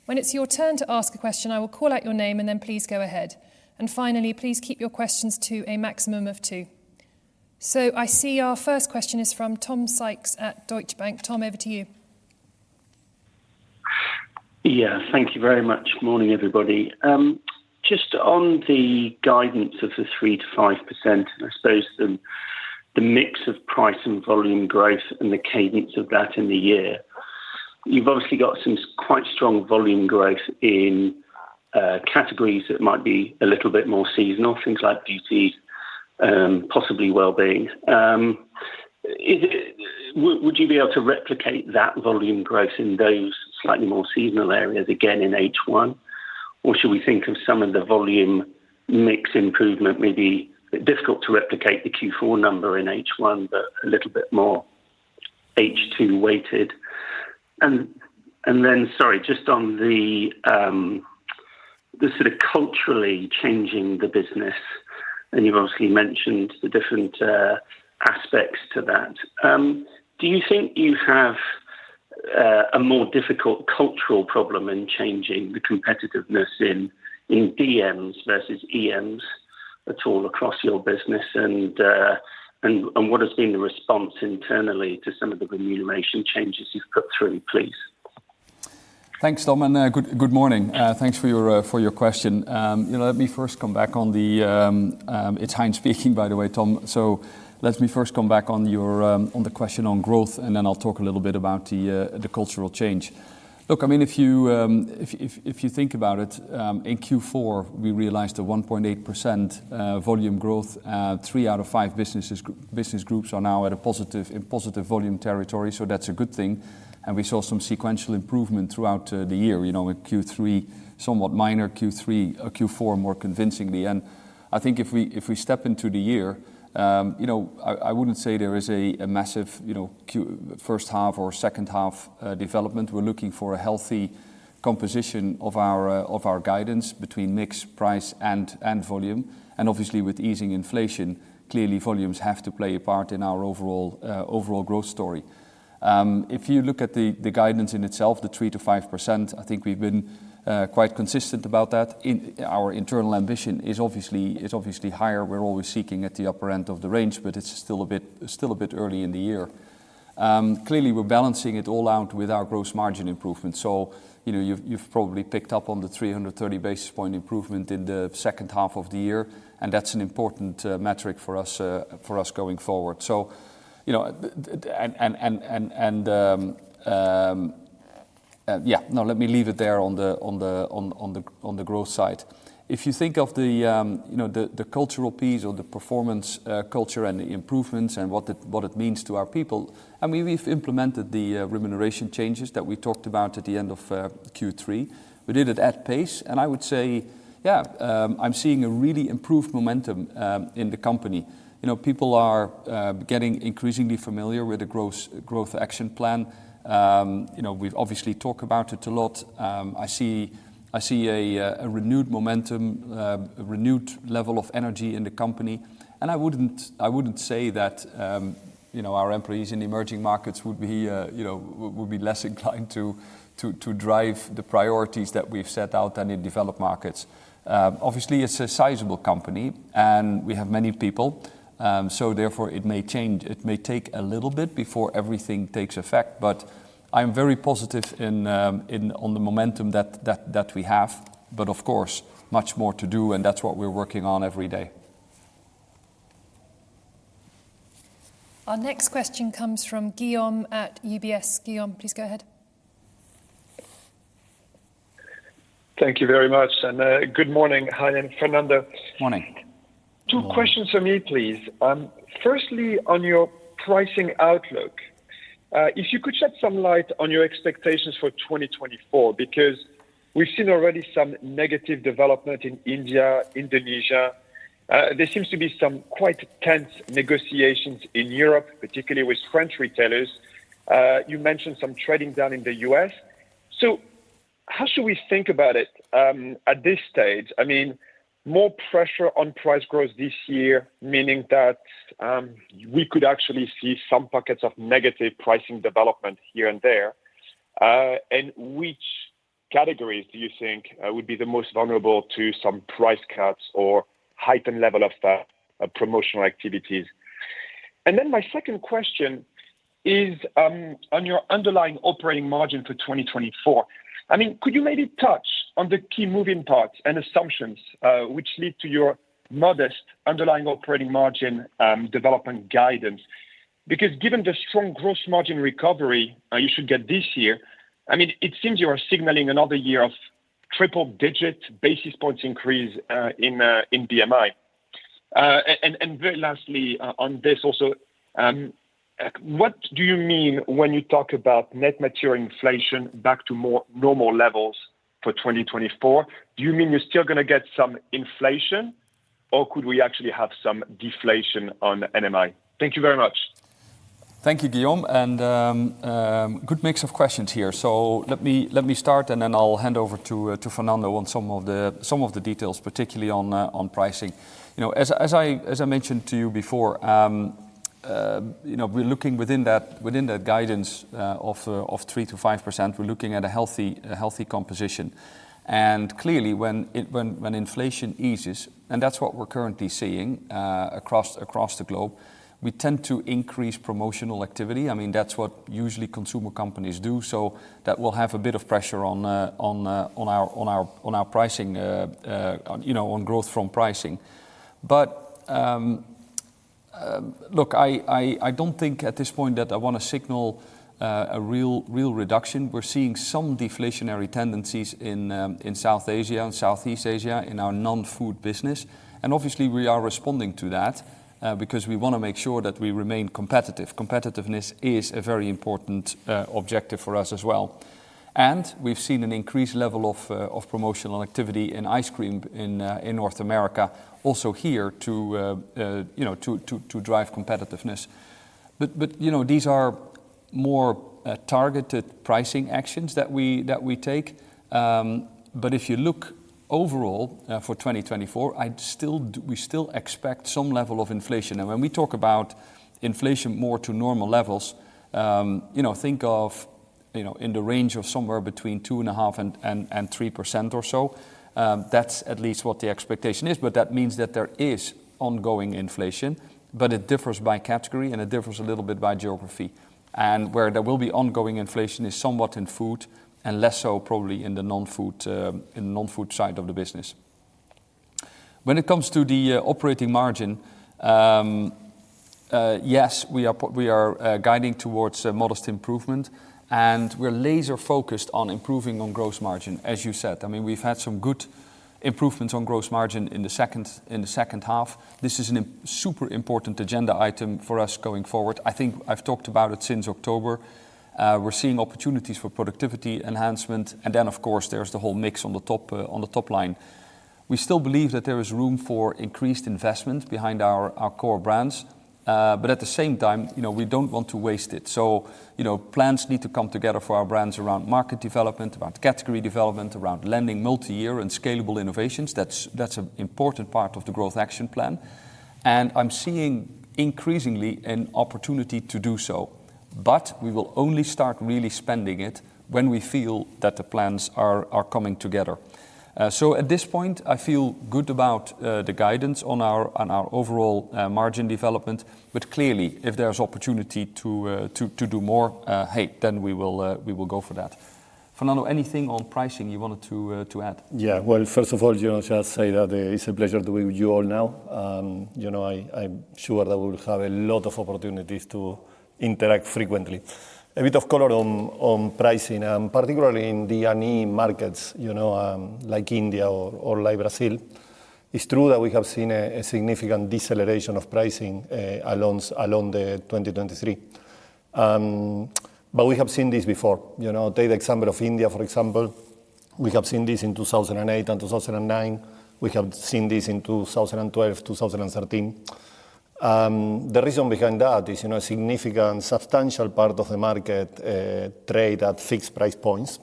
When it's your turn to ask a question, I will call out your name and then please go ahead. And finally, please keep your questions to a maximum of two. So I see our first question is from Tom Sykes at Deutsche Bank. Tom, over to you. Yeah, thank you very much. Morning, everybody. Just on the guidance of the 3%-5%, I suppose the mix of price and volume growth and the cadence of that in the year, you've obviously got some quite strong volume growth in categories that might be a little bit more seasonal, things like beauty, possibly well-being. Would you be able to replicate that volume growth in those slightly more seasonal areas again in H1? Or should we think of some of the volume mix improvement may be difficult to replicate the Q4 number in H1, but a little bit more H2 weighted? And then, sorry, just on the sort of culturally changing the business, and you've obviously mentioned the different aspects to that. Do you think you have a more difficult cultural problem in changing the competitiveness in DMs versus EMs at all across your business? And what has been the response internally to some of the remuneration changes you've put through, please? Thanks, Tom, and good morning. Thanks for your question. You know, let me first come back on the... It's Hein speaking, by the way, Tom. So let me first come back on your question on growth, and then I'll talk a little bit about the cultural change. Look, I mean, if you think about it, in Q4, we realized a 1.8% volume growth. Three out of five business groups are now in positive volume territory, so that's a good thing. And we saw some sequential improvement throughout the year. You know, in Q3, somewhat minor, Q4 more convincingly. And I think if we, if we step into the year, you know, I, I wouldn't say there is a, a massive, you know, first half or second half, development. We're looking for a healthy composition of our, of our guidance between mix, price, and, and volume. And obviously, with easing inflation, clearly volumes have to play a part in our overall, overall growth story. If you look at the, the guidance in itself, the 3%-5%, I think we've been, quite consistent about that. Our internal ambition is obviously, is obviously higher. We're always seeking at the upper end of the range, but it's still a bit, still a bit early in the year. Clearly, we're balancing it all out with our gross margin improvement. So, you know, you've probably picked up on the 330 basis point improvement in the second half of the year, and that's an important metric for us going forward. So, you know, let me leave it there on the growth side. If you think of the, you know, the cultural piece or the performance culture and the improvements and what it means to our people, I mean, we've implemented the remuneration changes that we talked about at the end of Q3. We did it at pace, and I would say, yeah, I'm seeing a really improved momentum in the company. You know, people are getting increasingly familiar with the Growth Action Plan. You know, we've obviously talked about it a lot. I see a renewed momentum, a renewed level of energy in the company. I wouldn't say that, you know, our employees in emerging markets would be less inclined to drive the priorities that we've set out than in developed markets. Obviously, it's a sizable company, and we have many people, so therefore, it may change. It may take a little bit before everything takes effect, but I'm very positive on the momentum that we have. But of course, much more to do, and that's what we're working on every day. Our next question comes from Guillaume at UBS. Guillaume, please go ahead. Thank you very much, and good morning, Hein and Fernando. Morning. Morning. Two questions from me, please. Firstly, on your pricing outlook, if you could shed some light on your expectations for 2024, because we've seen already some negative development in India, Indonesia. There seems to be some quite tense negotiations in Europe, particularly with French retailers. You mentioned some trading down in the US. So how should we think about it at this stage? I mean, more pressure on price growth this year, meaning that we could actually see some pockets of negative pricing development here and there. And which categories do you think would be the most vulnerable to some price cuts or heightened level of promotional activities? And then my second question is on your underlying operating margin for 2024. I mean, could you maybe touch on the key moving parts and assumptions, which lead to your modest underlying operating margin development guidance? Because given the strong gross margin recovery you should get this year, I mean, it seems you are signaling another year of triple-digit basis points increase in BMI. And very lastly on this also, what do you mean when you talk about net material inflation back to more normal levels for 2024? Do you mean you're still gonna get some inflation, or could we actually have some deflation on NMI? Thank you very much. Thank you, Guillaume, and good mix of questions here. So let me start, and then I'll hand over to Fernando on some of the details, particularly on pricing. You know, as I mentioned to you before, you know, we're looking within that guidance of 3%-5%. We're looking at a healthy composition. And clearly, when inflation eases, and that's what we're currently seeing across the globe, we tend to increase promotional activity. I mean, that's what usually consumer companies do. So that will have a bit of pressure on our pricing, you know, on growth from pricing. But, look, I don't think at this point that I want to signal a real, real reduction. We're seeing some deflationary tendencies in South Asia and Southeast Asia in our non-food business, and obviously, we are responding to that because we wanna make sure that we remain competitive. Competitiveness is a very important objective for us as well. And we've seen an increased level of promotional activity in ice cream in North America, also here to you know to drive competitiveness. But you know, these are more targeted pricing actions that we take. But if you look overall for 2024, we still expect some level of inflation. When we talk about inflation more to normal levels, you know, think of, you know, in the range of somewhere between 2.5%-3% or so. That's at least what the expectation is, but that means that there is ongoing inflation, but it differs by category, and it differs a little bit by geography. And where there will be ongoing inflation is somewhat in food and less so probably in the non-food side of the business. When it comes to the operating margin, yes, we are guiding towards a modest improvement, and we're laser-focused on improving on gross margin, as you said. I mean, we've had some good improvements on gross margin in the second half. This is a super important agenda item for us going forward. I think I've talked about it since October. We're seeing opportunities for productivity enhancement, and then, of course, there's the whole mix on the top, on the top line. We still believe that there is room for increased investment behind our, our core brands, but at the same time, you know, we don't want to waste it. So, you know, plans need to come together for our brands around market development, around category development, around landing multi-year and scalable innovations. That's, that's an important part of the Growth Action Plan, and I'm seeing increasingly an opportunity to do so. But we will only start really spending it when we feel that the plans are, are coming together. So at this point, I feel good about the guidance on our overall margin development, but clearly, if there's opportunity to do more, hey, then we will go for that. Fernando, anything on pricing you wanted to add? Yeah. Well, first of all, you know, just say that, it's a pleasure to be with you all now. You know, I'm sure that we will have a lot of opportunities to interact frequently. A bit of color on pricing, particularly in the D&E markets, you know, like India or like Brazil. It's true that we have seen a significant deceleration of pricing, along 2023. But we have seen this before. You know, take the example of India, for example, we have seen this in 2008 and 2009. We have seen this in 2012, 2013. The reason behind that is, you know, a significant, substantial part of the market trade at fixed price points,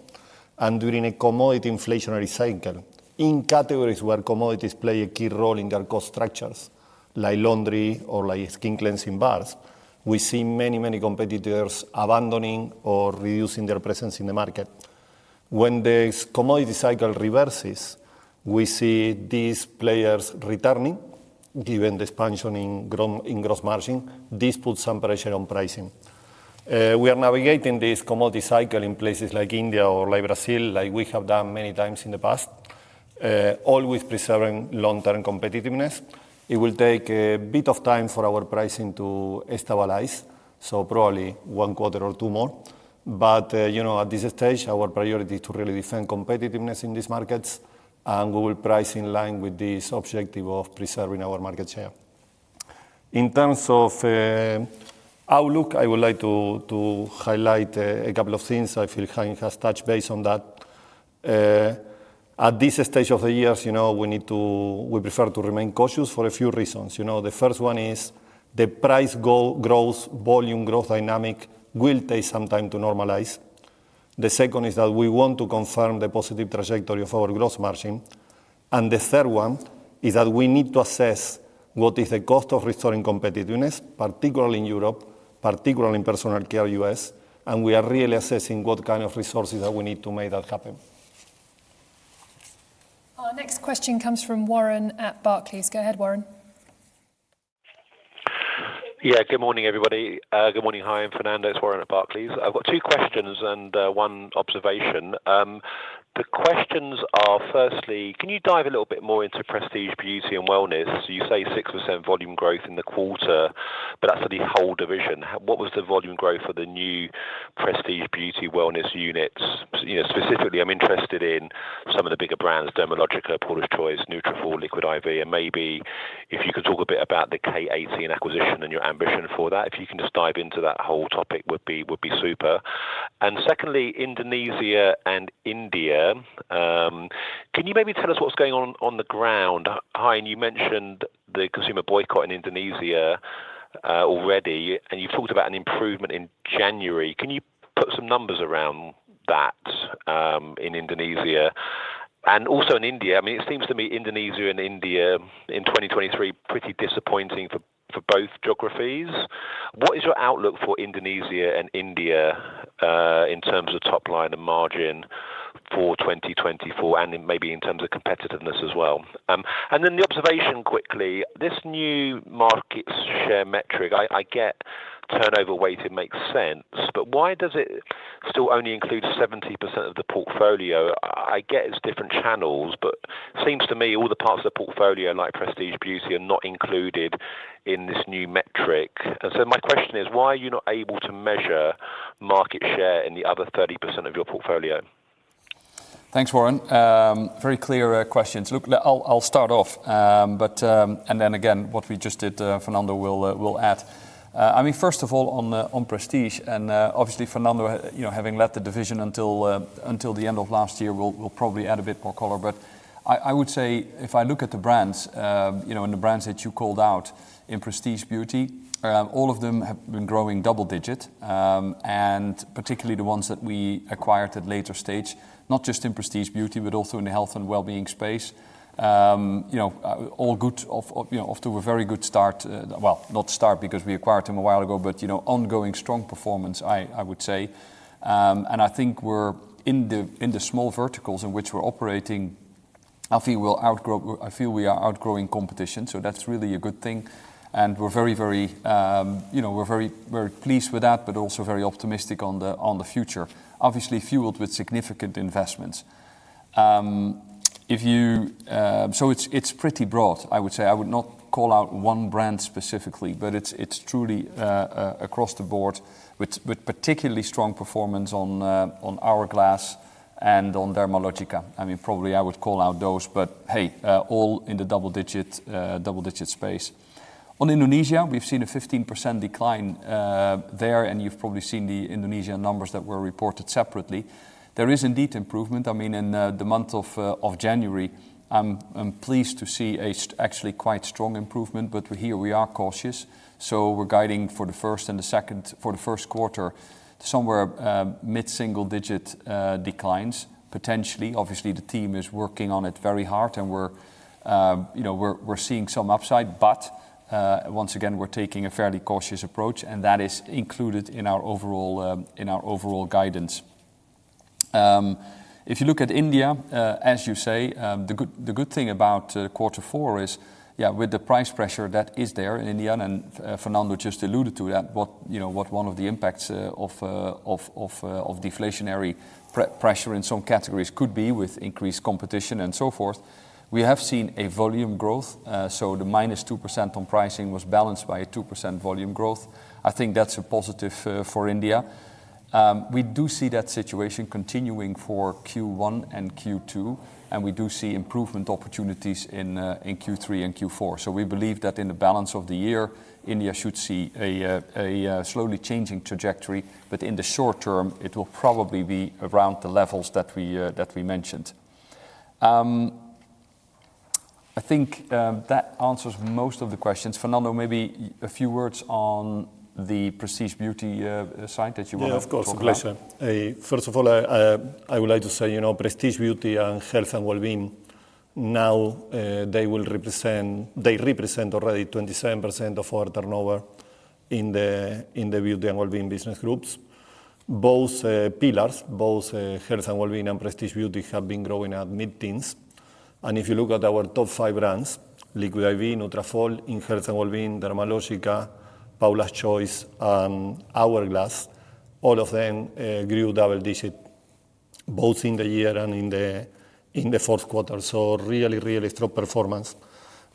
and during a commodity inflationary cycle, in categories where commodities play a key role in their cost structures, like laundry or like skin cleansing bars, we see many, many competitors abandoning or reducing their presence in the market. When the commodity cycle reverses, we see these players returning, given the expansion in gross margin. This puts some pressure on pricing. We are navigating this commodity cycle in places like India or like Brazil, like we have done many times in the past, always preserving long-term competitiveness. It will take a bit of time for our pricing to stabilize, so probably one quarter or two more. But, you know, at this stage, our priority is to really defend competitiveness in these markets, and we will price in line with this objective of preserving our market share. In terms of outlook, I would like to highlight a couple of things. I feel Hein has touched base on that. At this stage of the years, you know, we need to... we prefer to remain cautious for a few reasons. You know, the first one is the price goal, growth, volume growth dynamic will take some time to normalize. The second is that we want to confirm the positive trajectory of our gross margin. The third one is that we need to assess what is the cost of restoring competitiveness, particularly in Europe, particularly Personal Care u.s., and we are really assessing what kind of resources that we need to make that happen. Our next question comes from Warren at Barclays. Go ahead, Warren. Yeah, good morning, everybody. Good morning, hi, I'm Fernando. It's Warren at Barclays. I've got two questions and one observation. The questions are, firstly, can you dive a little bit more into Prestige Beauty and Wellness? So you say 6% volume growth in the quarter, but that's for the whole division. What was the volume growth for the new Prestige Beauty Wellness units? You know, specifically, I'm interested in some of the bigger brands, Dermalogica, Paula's Choice, Nutrafol, Liquid I.V., and maybe if you could talk a bit about the K18 acquisition and your ambition for that. If you can just dive into that whole topic, would be, would be super. And secondly, Indonesia and India, can you maybe tell us what's going on, on the ground? Hein, you mentioned the consumer boycott in Indonesia, already, and you talked about an improvement in January. Can you put some numbers around that, in Indonesia? And also in India, I mean, it seems to me, Indonesia and India in 2023, pretty disappointing for, for both geographies. What is your outlook for Indonesia and India, in terms of top line and margin for 2024, and maybe in terms of competitiveness as well? And then the observation quickly, this new market share metric, I, I get turnover weighting makes sense, but why does it still only include 70% of the portfolio? I, I get it's different channels, but seems to me all the parts of the portfolio, like Prestige Beauty, are not included in this new metric. My question is, why are you not able to measure market share in the other 30% of your portfolio? Thanks, Warren. Very clear questions. Look, I'll start off, and then again, what we just did, Fernando will add. I mean, first of all, on the Prestige, and obviously, Fernando, you know, having led the division until the end of last year, will probably add a bit more color. But I would say if I look at the brands, you know, and the brands that you called out in Prestige Beauty, all of them have been growing double digit, and particularly the ones that we acquired at later stage, not just in Prestige Beauty, but also in the health and wellbeing space. You know, all good off to a very good start. Well, not start, because we acquired them a while ago, but, you know, ongoing strong performance, I would say. And I think we're in the, in the small verticals in which we're operating, I feel we'll outgrow- I feel we are outgrowing competition, so that's really a good thing. And we're very, very, you know, we're very, very pleased with that, but also very optimistic on the, on the future. Obviously, fueled with significant investments.... If you, so it's, it's pretty broad, I would say. I would not call out one brand specifically, but it's, it's truly, across the board, with particularly strong performance on, on Hourglass and on Dermalogica. I mean, probably I would call out those, but hey, all in the double digit, double-digit space. On Indonesia, we've seen a 15% decline there, and you've probably seen the Indonesia numbers that were reported separately. There is indeed improvement. I mean, in the month of January, I'm pleased to see actually quite strong improvement, but here we are cautious. So we're guiding for the first and the second, for the first quarter, somewhere mid-single-digit declines, potentially. Obviously, the team is working on it very hard, and we're, you know, we're seeing some upside. But once again, we're taking a fairly cautious approach, and that is included in our overall guidance. If you look at India, as you say, the good, the good thing about quarter four is, yeah, with the price pressure that is there in India, and, Fernando just alluded to that, what, you know, what one of the impacts, of, of, of deflationary pressure in some categories could be with increased competition and so forth. We have seen a volume growth, so the -2% on pricing was balanced by a 2% volume growth. I think that's a positive for India. We do see that situation continuing for Q1 and Q2, and we do see improvement opportunities in Q3 and Q4. So we believe that in the balance of the year, India should see a slowly changing trajectory, but in the short term, it will probably be around the levels that we mentioned. I think that answers most of the questions. Fernando, maybe a few words on the Prestige Beauty side that you want to talk about? Yeah, of course, please, sir. First of all, I would like to say, you know, Prestige Beauty and Health and Wellbeing, now, they will represent—they represent already 27% of our turnover in the, in the Beauty and Wellbeing business groups. Both pillars, both Health and Wellbeing and Prestige Beauty, have been growing at mid-teens. And if you look at our top five brands, Liquid I.V., Nutrafol, in Health and Wellbeing, Dermalogica, Paula's Choice, and Hourglass, all of them grew double-digit, both in the year and in the, in the fourth quarter. So really, really strong performance.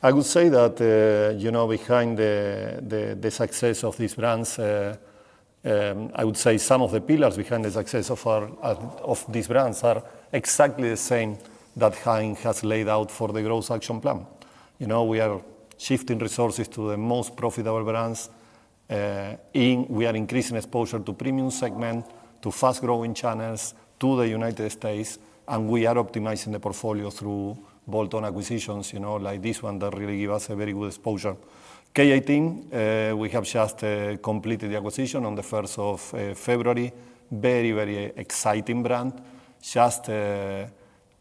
I would say that, you know, behind the success of these brands, I would say some of the pillars behind the success of our these brands are exactly the same that Hein has laid out for the Growth Action Plan. You know, we are shifting resources to the most profitable brands, we are increasing exposure to premium segment, to fast-growing channels, to the United States, and we are optimizing the portfolio through bolt-on acquisitions, you know, like this one, that really give us a very good exposure. K18, we have just completed the acquisition on the first of February. Very, very exciting brand. Just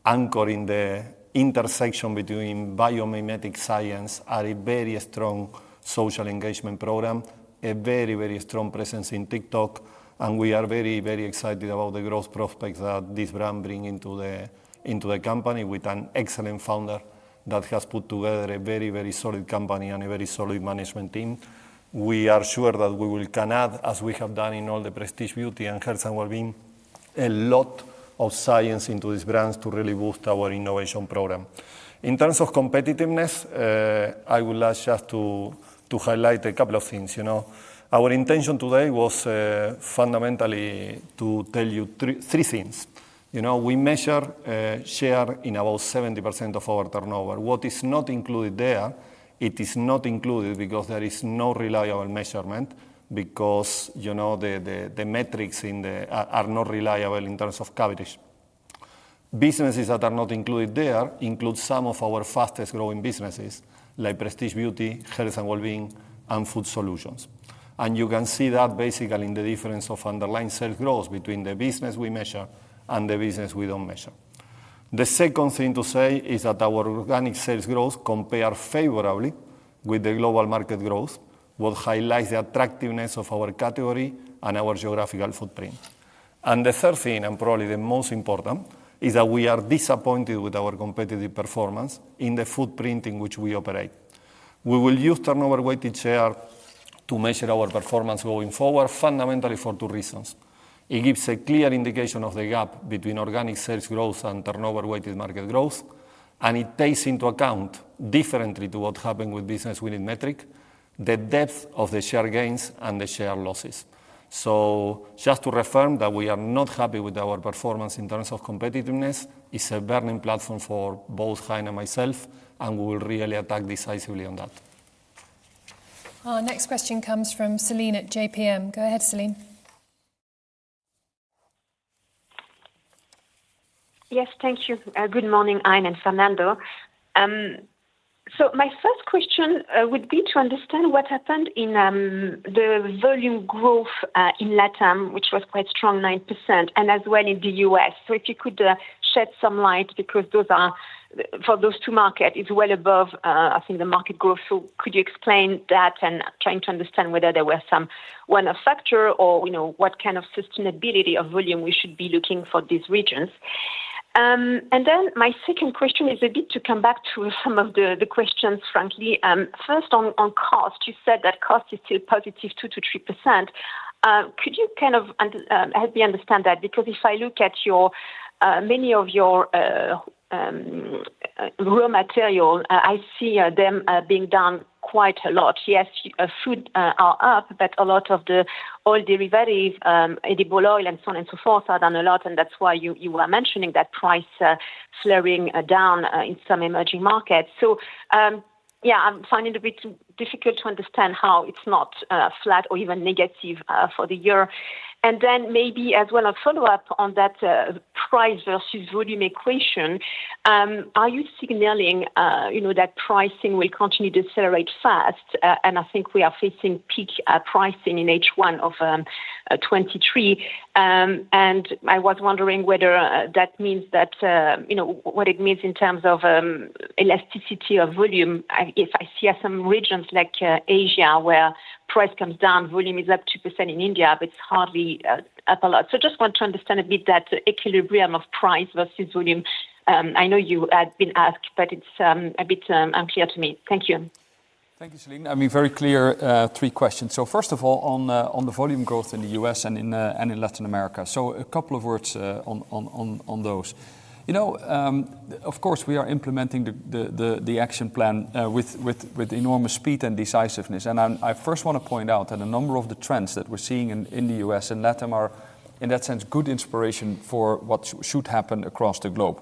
anchoring the intersection between biomimetic science and a very strong social engagement program, a very, very strong presence in TikTok, and we are very, very excited about the growth prospects that this brand bring into the, into the company, with an excellent founder that has put together a very, very solid company and a very solid management team. We are sure that we will can add, as we have done in all the Prestige Beauty and Health and Wellbeing, a lot of science into these brands to really boost our innovation program. In terms of competitiveness, I would like just to, to highlight a couple of things. You know, our intention today was, fundamentally to tell you three, three things. You know, we measure share in about 70% of our turnover. What is not included there, it is not included because there is no reliable measurement, because, you know, the metrics... are not reliable in terms of coverage. Businesses that are not included there include some of our fastest-growing businesses, like Prestige Beauty, Health and Wellbeing, and Food Solutions. You can see that basically in the difference of underlying sales growth between the business we measure and the business we don't measure. The second thing to say is that our organic sales growth compare favorably with the global market growth, what highlights the attractiveness of our category and our geographical footprint. The third thing, and probably the most important, is that we are disappointed with our competitive performance in the footprint in which we operate. We will use turnover weighted share to measure our performance going forward, fundamentally for two reasons: It gives a clear indication of the gap between organic sales growth and turnover weighted market growth, and it takes into account, differently to what happened with business winning metric, the depth of the share gains and the share losses. So just to reaffirm that we are not happy with our performance in terms of competitiveness, it's a burning platform for both Hein and myself, and we will really attack decisively on that. Our next question comes from Celine at JPM. Go ahead, Celine. Yes, thank you. Good morning, Hein and Fernando. So my first question would be to understand what happened in the volume growth in Latam, which was quite strong, 9%, and as well in the US. So if you could shed some light, because those are for those two market is well above, I think, the market growth. So could you explain that? And trying to understand whether there were some one-off factor or, you know, what kind of sustainability of volume we should be looking for these regions. And then my second question is a bit to come back to some of the, the questions, frankly. First, on cost, you said that cost is still positive, 2%-3%. Could you kind of help me understand that? Because if I look at your many of your raw material I see them being down quite a lot. Yes, your food are up, but a lot of the oil derivatives, edible oil, and so on and so forth, are down a lot, and that's why you were mentioning that price slowing down in some emerging markets. So, yeah, I'm finding it a bit difficult to understand how it's not flat or even negative for the year. And then maybe as well, a follow-up on that, price versus volume equation, are you signaling, you know, that pricing will continue to accelerate fast? And I think we are facing peak pricing in H1 of 2023. And I was wondering whether that means that, you know, what it means in terms of elasticity of volume. If I see some regions like Asia, where price comes down, volume is up 2% in India, but it's hardly up a lot. So just want to understand a bit that equilibrium of price versus volume. I know you had been asked, but it's a bit unclear to me. Thank you. Thank you, Celine. I mean, very clear, three questions. So first of all, on the volume growth in the US and in, and in Latin America. So a couple of words, on those. You know, of course, we are implementing the action plan, with enormous speed and decisiveness. And I first want to point out that a number of the trends that we're seeing in the US and LATAM are, in that sense, good inspiration for what should happen across the globe.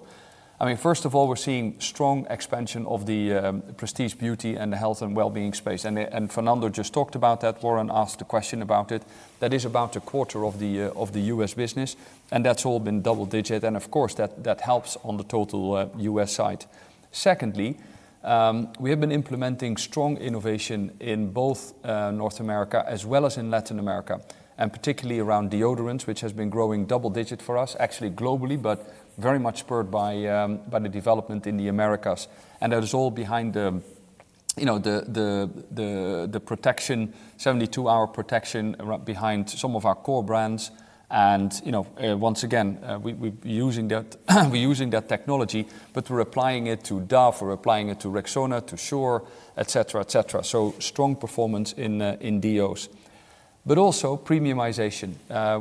I mean, first of all, we're seeing strong expansion of the prestige beauty, and the health and wellbeing space. And Fernando just talked about that. Warren asked a question about it. That is about a quarter of the U.S. business, and that's all been double digit. And of course, that helps on the total U.S. side. Secondly, we have been implementing strong innovation in both North America as well as in Latin America, and particularly around deodorants, which has been growing double digit for us, actually globally, but very much spurred by the development in the Americas. And that is all behind the protection, 72-hour protection behind some of our core brands. And, you know, we, we're using that, we're using that technology, but we're applying it to Dove, we're applying it to Rexona, to Sure, et cetera, et cetera. So strong performance in deos. But also premiumization.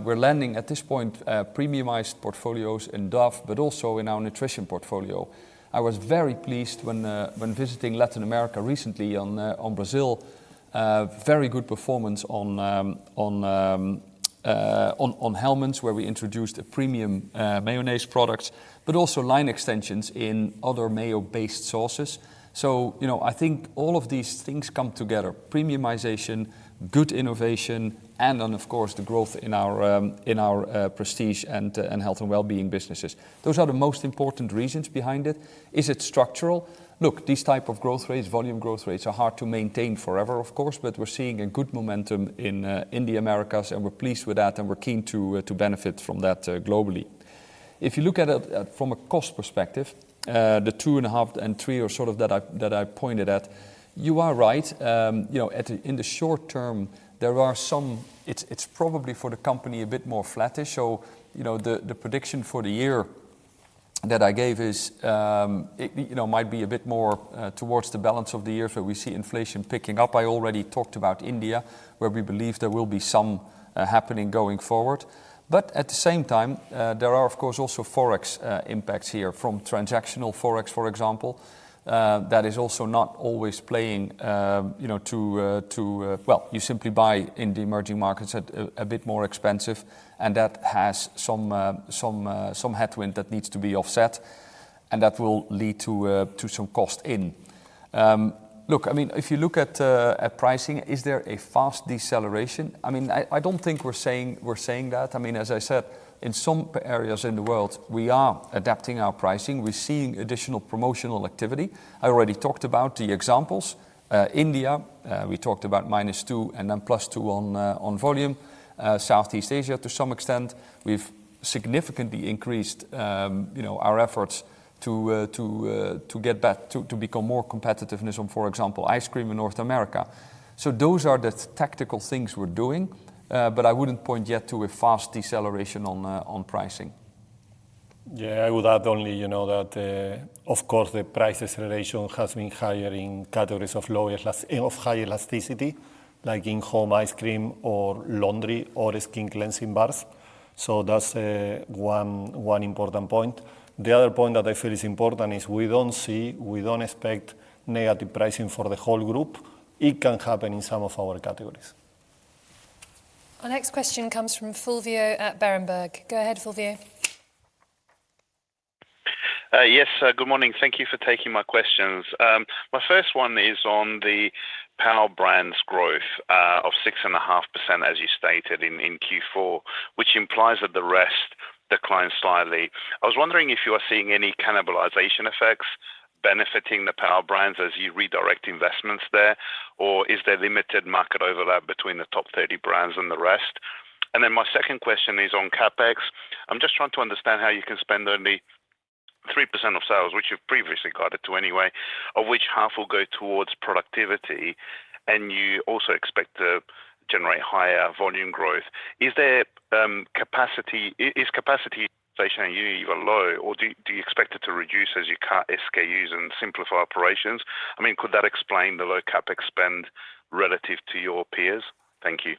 We're landing, at this point, premiumized portfolios in Dove, but also in our nutrition portfolio. I was very pleased when visiting Latin America recently on Brazil, very good performance on Hellmann's, where we introduced a premium mayonnaise product, but also line extensions in other mayo-based sauces. So, you know, I think all of these things come together: premiumization, good innovation, and then, of course, the growth in our prestige and health and wellbeing businesses. Those are the most important reasons behind it. Is it structural? Look, these type of growth rates, volume growth rates, are hard to maintain forever, of course, but we're seeing a good momentum in the Americas, and we're pleased with that, and we're keen to benefit from that globally. If you look at it, from a cost perspective, the 2.5 and 3 are sort of that I, that I pointed at, you are right. You know, in the short term, there are some. It's, it's probably for the company a bit more flattish. So, you know, the prediction for the year that I gave is, it, you know, might be a bit more, towards the balance of the year, where we see inflation picking up. I already talked about India, where we believe there will be some happening going forward. But at the same time, there are, of course, also Forex impacts here from transactional Forex, for example, that is also not always playing, you know, to, to... Well, you simply buy in the emerging markets at a bit more expensive, and that has some headwind that needs to be offset, and that will lead to some cost in. Look, I mean, if you look at pricing, is there a fast deceleration? I mean, I don't think we're saying that. I mean, as I said, in some areas in the world, we are adapting our pricing. We're seeing additional promotional activity. I already talked about the examples. India, we talked about -2 and then +2 on volume. Southeast Asia, to some extent, we've significantly increased, you know, our efforts to get back, to become more competitive on, for example, ice cream in North America. Those are the tactical things we're doing, but I wouldn't point yet to a fast deceleration on pricing. Yeah, I would add only, you know, that of course, the price acceleration has been higher in categories of high elasticity, like in home ice cream or laundry or skin cleansing bars. So that's one important point. The other point that I feel is important is we don't see, we don't expect negative pricing for the whole group. It can happen in some of our categories. Our next question comes from Fulvio at Berenberg. Go ahead, Fulvio. Yes, good morning. Thank you for taking my questions. My first one is on the Power Brands growth of 6.5%, as you stated in Q4, which implies that the rest declined slightly. I was wondering if you are seeing any cannibalization effects benefiting the Power Brands as you redirect investments there, or is there limited market overlap between the top 30 brands and the rest? My second question is on CapEx. I'm just trying to understand how you can spend only 3% of sales, which you've previously guided to anyway, of which half will go towards productivity, and you also expect to generate higher volume growth. Is capacity utilization even low, or do you expect it to reduce as you cut SKUs and simplify operations? I mean, could that explain the low CapEx spend relative to your peers? Thank you....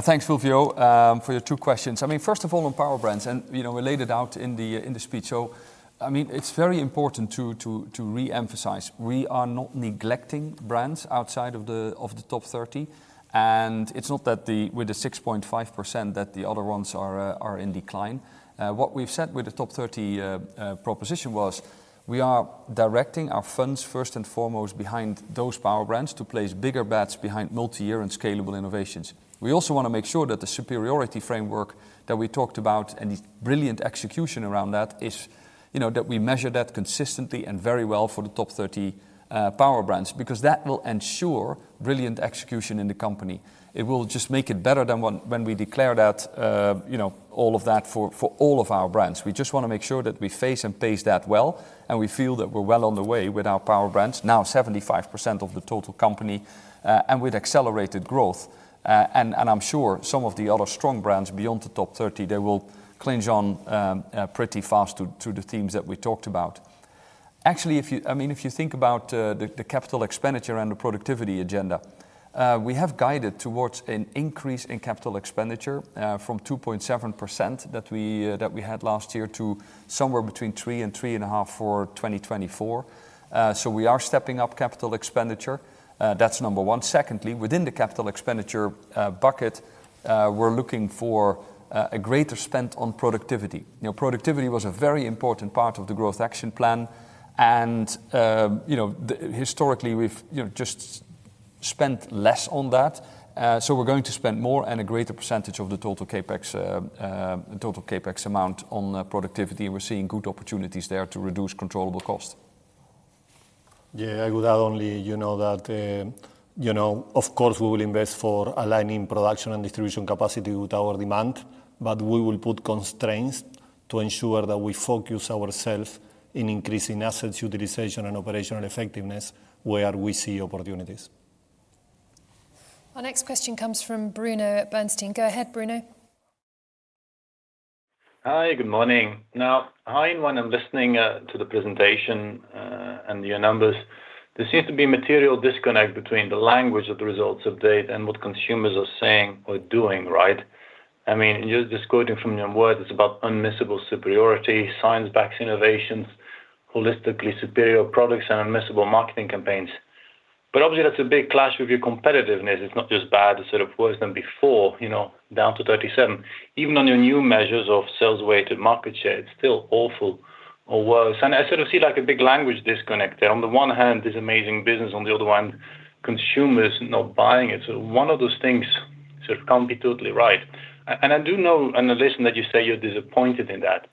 Thanks, Fulvio, for your two questions. I mean, first of all, on Power Brands, and, you know, we laid it out in the, in the speech. So, I mean, it's very important to re-emphasize, we are not neglecting brands outside of the, of the top 30. And it's not that the, with the 6.5%, that the other ones are, are in decline. What we've said with the top 30 proposition was, we are directing our funds first and foremost behind those Power Brands to place bigger bets behind multi-year and scalable innovations. We also wanna make sure that the superiority framework that we talked about, and the brilliant execution around that is, you know, that we measure that consistently and very well for the top 30, Power Brands, because that will ensure brilliant execution in the company. It will just make it better than when, when we declare that, you know, all of that for, for all of our brands. We just wanna make sure that we face and pace that well, and we feel that we're well on the way with our Power Brands, now 75% of the total company, and with accelerated growth. And I'm sure some of the other strong brands beyond the top 30, they will cling on, pretty fast to, to the themes that we talked about. Actually, if you... I mean, if you think about the capital expenditure and the productivity agenda, we have guided towards an increase in capital expenditure from 2.7% that we had last year to somewhere between 3%-3.5% for 2024. So we are stepping up capital expenditure. That's number one. Secondly, within the capital expenditure bucket, we're looking for a greater spend on productivity. You know, productivity was a very important part of the Growth Action Plan, and you know the historically we've you know just spent less on that. So we're going to spend more and a greater percentage of the total CapEx total CapEx amount on productivity, and we're seeing good opportunities there to reduce controllable cost. Yeah, I would add only, you know, that, you know, of course, we will invest for aligning production and distribution capacity with our demand, but we will put constraints to ensure that we focus ourselves in increasing assets, utilization, and operational effectiveness where we see opportunities. Our next question comes from Bruno at Bernstein. Go ahead, Bruno. Hi, good morning. Now, Hein, when I'm listening to the presentation and your numbers, there seems to be a material disconnect between the language of the results to date and what consumers are saying or doing, right? I mean, just quoting from your words, it's about unmissable superiority, science-backed innovations, holistically superior products, and unmissable marketing campaigns. But obviously, that's a big clash with your competitiveness. It's not just bad, it's sort of worse than before, you know, down to 37. Even on your new measures of sales-weighted market share, it's still awful or worse. And I sort of see, like, a big language disconnect there. On the one hand, this amazing business, on the other one, consumers not buying it, so one of those things sort of can't be totally right. And I do know on the list that you say you're disappointed in that,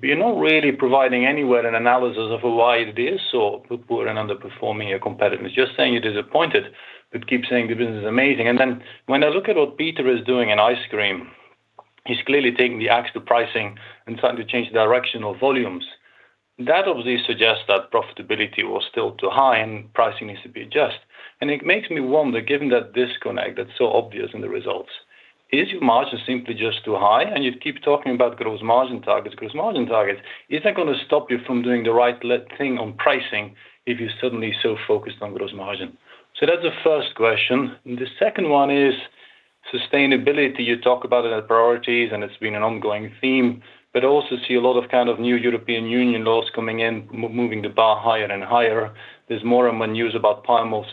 but you're not really providing anywhere an analysis of why it is so poor and underperforming your competitors. Just saying you're disappointed, but keep saying the business is amazing. And then when I look at what Peter is doing in ice cream, he's clearly taking the ax to pricing and trying to change the direction of volumes. That obviously suggests that profitability was still too high, and pricing needs to be adjusted. And it makes me wonder, given that disconnect that's so obvious in the results, is your margin simply just too high? And you keep talking about gross margin targets. Gross margin targets is not gonna stop you from doing the right thing on pricing if you're suddenly so focused on gross margin. So that's the first question. The second one is sustainability. You talk about it as priorities, and it's been an ongoing theme, but also see a lot of kind of new European Union laws coming in, moving the bar higher and higher. There's more and more news about palm oil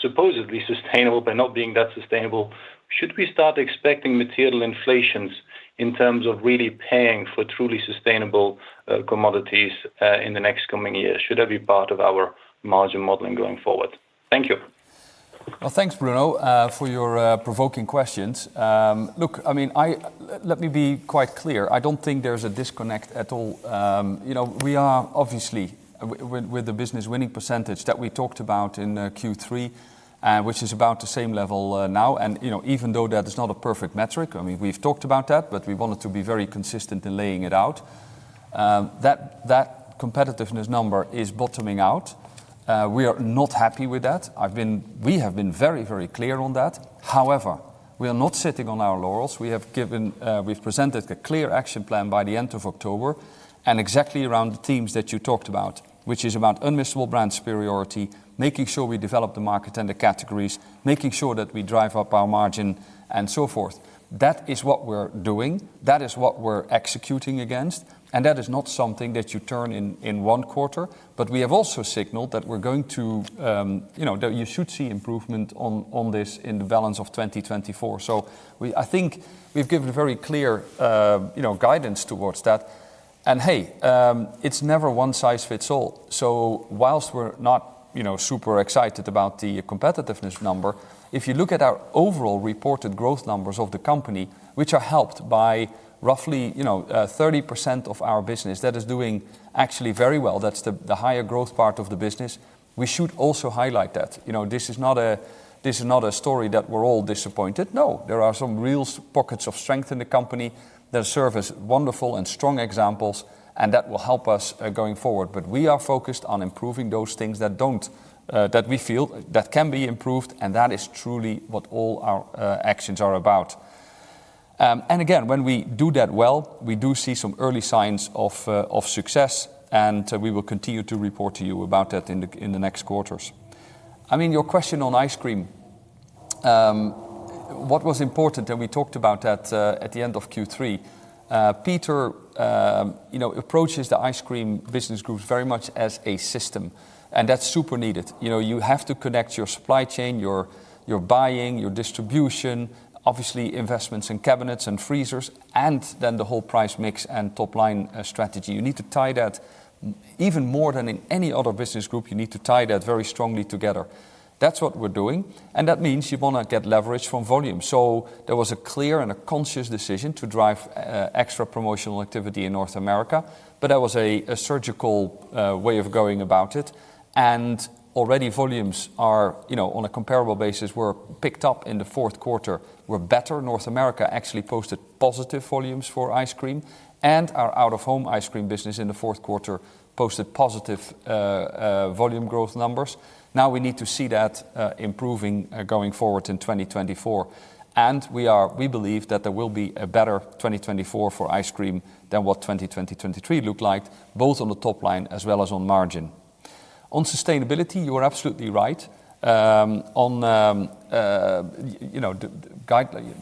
supposedly sustainable, but not being that sustainable. Should we start expecting material inflations in terms of really paying for truly sustainable, commodities, in the next coming years? Should that be part of our margin modeling going forward? Thank you. Well, thanks, Bruno, for your provoking questions. Look, I mean, let me be quite clear, I don't think there's a disconnect at all. You know, we are obviously with the business winning percentage that we talked about in Q3, which is about the same level now. You know, even though that is not a perfect metric, I mean, we've talked about that, but we wanted to be very consistent in laying it out. That competitiveness number is bottoming out. We are not happy with that. We have been very, very clear on that. However, we are not sitting on our laurels. We have given, we've presented a clear action plan by the end of October, and exactly around the themes that you talked about, which is about unmissable brand superiority, making sure we develop the market and the categories, making sure that we drive up our margin, and so forth. That is what we're doing, that is what we're executing against, and that is not something that you turn in, in one quarter. But we have also signaled that we're going to, you know, that you should see improvement on, on this in the balance of 2024. So I think we've given very clear, you know, guidance towards that. And hey, it's never one size fits all. So while we're not, you know, super excited about the competitiveness number, if you look at our overall reported growth numbers of the company, which are helped by roughly, you know, 30% of our business, that is doing actually very well, that's the higher growth part of the business, we should also highlight that. You know, this is not a story that we're all disappointed. No, there are some real pockets of strength in the company that serve as wonderful and strong examples, and that will help us going forward. But we are focused on improving those things that don't, that we feel that can be improved, and that is truly what all our actions are about.... And again, when we do that well, we do see some early signs of success, and we will continue to report to you about that in the next quarters. I mean, your question on ice cream, what was important, and we talked about that at the end of Q3. Peter, you know, approaches the ice cream business groups very much as a system, and that's super needed. You know, you have to connect your supply chain, your buying, your distribution, obviously investments in cabinets and freezers, and then the whole price mix and top-line strategy. You need to tie that even more than in any other business group; you need to tie that very strongly together. That's what we're doing, and that means you want to get leverage from volume. So there was a clear and a conscious decision to drive extra promotional activity in North America, but that was a surgical way of going about it. And already, volumes are, you know, on a comparable basis, were picked up in the fourth quarter, were better. North America actually posted positive volumes for ice cream, and our out-of-home ice cream business in the fourth quarter posted positive volume growth numbers. Now, we need to see that improving going forward in 2024. And we believe that there will be a better 2024 for ice cream than what 2023 looked like, both on the top line as well as on margin. On sustainability, you are absolutely right. You know, the guideline,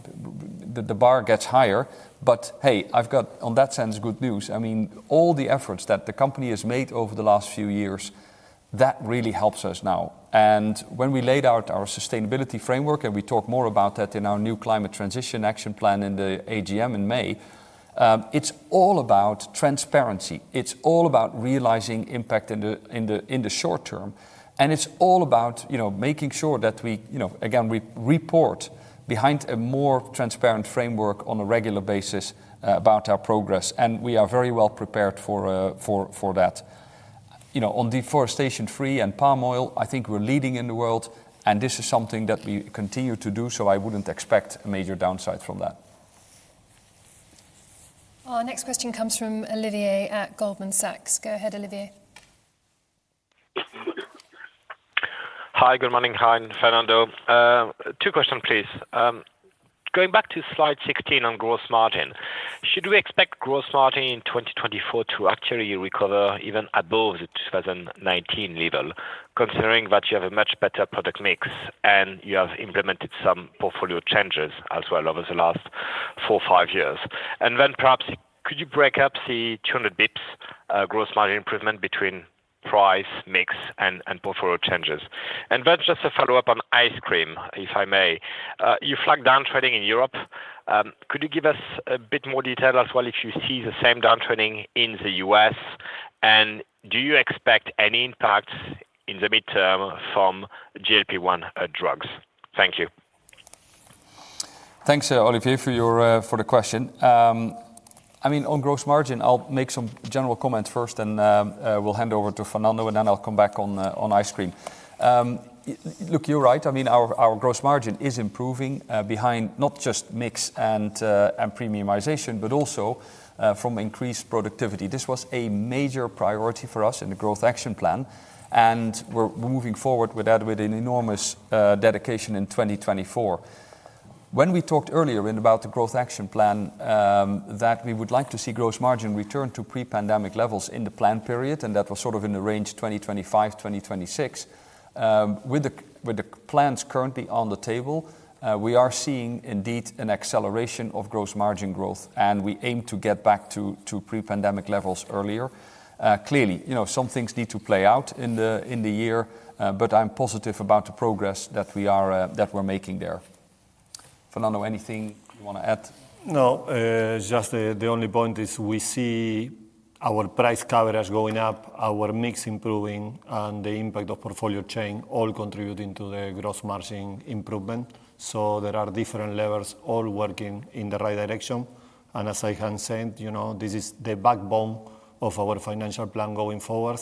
the bar gets higher, but, hey, I've got, on that sense, good news. I mean, all the efforts that the company has made over the last few years, that really helps us now. When we laid out our sustainability framework, and we talk more about that in our new Climate Transition Action Plan in the AGM in May, it's all about transparency. It's all about realizing impact in the short term, and it's all about, you know, making sure that we, you know, again, we report behind a more transparent framework on a regular basis about our progress, and we are very well prepared for that. You know, on deforestation-free and palm oil, I think we're leading in the world, and this is something that we continue to do, so I wouldn't expect a major downside from that. Our next question comes from Olivier at Goldman Sachs. Go ahead, Olivier. Hi, good morning, Hein and Fernando. Two questions, please. Going back to slide 16 on gross margin, should we expect gross margin in 2024 to actually recover even above the 2019 level, considering that you have a much better product mix and you have implemented some portfolio changes as well over the last four, five years? And then perhaps could you break up the 200 basis points gross margin improvement between price, mix, and portfolio changes? And then just a follow-up on ice cream, if I may. You flagged downtrading in Europe. Could you give us a bit more detail as well, if you see the same downtrading in the US, and do you expect any impact in the midterm from GLP-1 drugs? Thank you. Thanks, Olivier, for your, for the question. I mean, on gross margin, I'll make some general comments first, and, we'll hand over to Fernando, and then I'll come back on, on ice cream. Look, you're right. I mean, our, our gross margin is improving, behind not just mix and, and premiumization, but also, from increased productivity. This was a major priority for us in the Growth Action Plan, and we're, we're moving forward with that with an enormous, dedication in 2024. When we talked earlier in about the Growth Action Plan, that we would like to see gross margin return to pre-pandemic levels in the plan period, and that was sort of in the range 2025-2026. With the plans currently on the table, we are seeing indeed an acceleration of gross margin growth, and we aim to get back to pre-pandemic levels earlier. Clearly, you know, some things need to play out in the year, but I'm positive about the progress that we're making there. Fernando, anything you want to add? No, just, the only point is we see our price coverage going up, our mix improving, and the impact of portfolio change all contributing to the gross margin improvement. So there are different levels all working in the right direction, and as I have said, you know, this is the backbone of our financial plan going forward,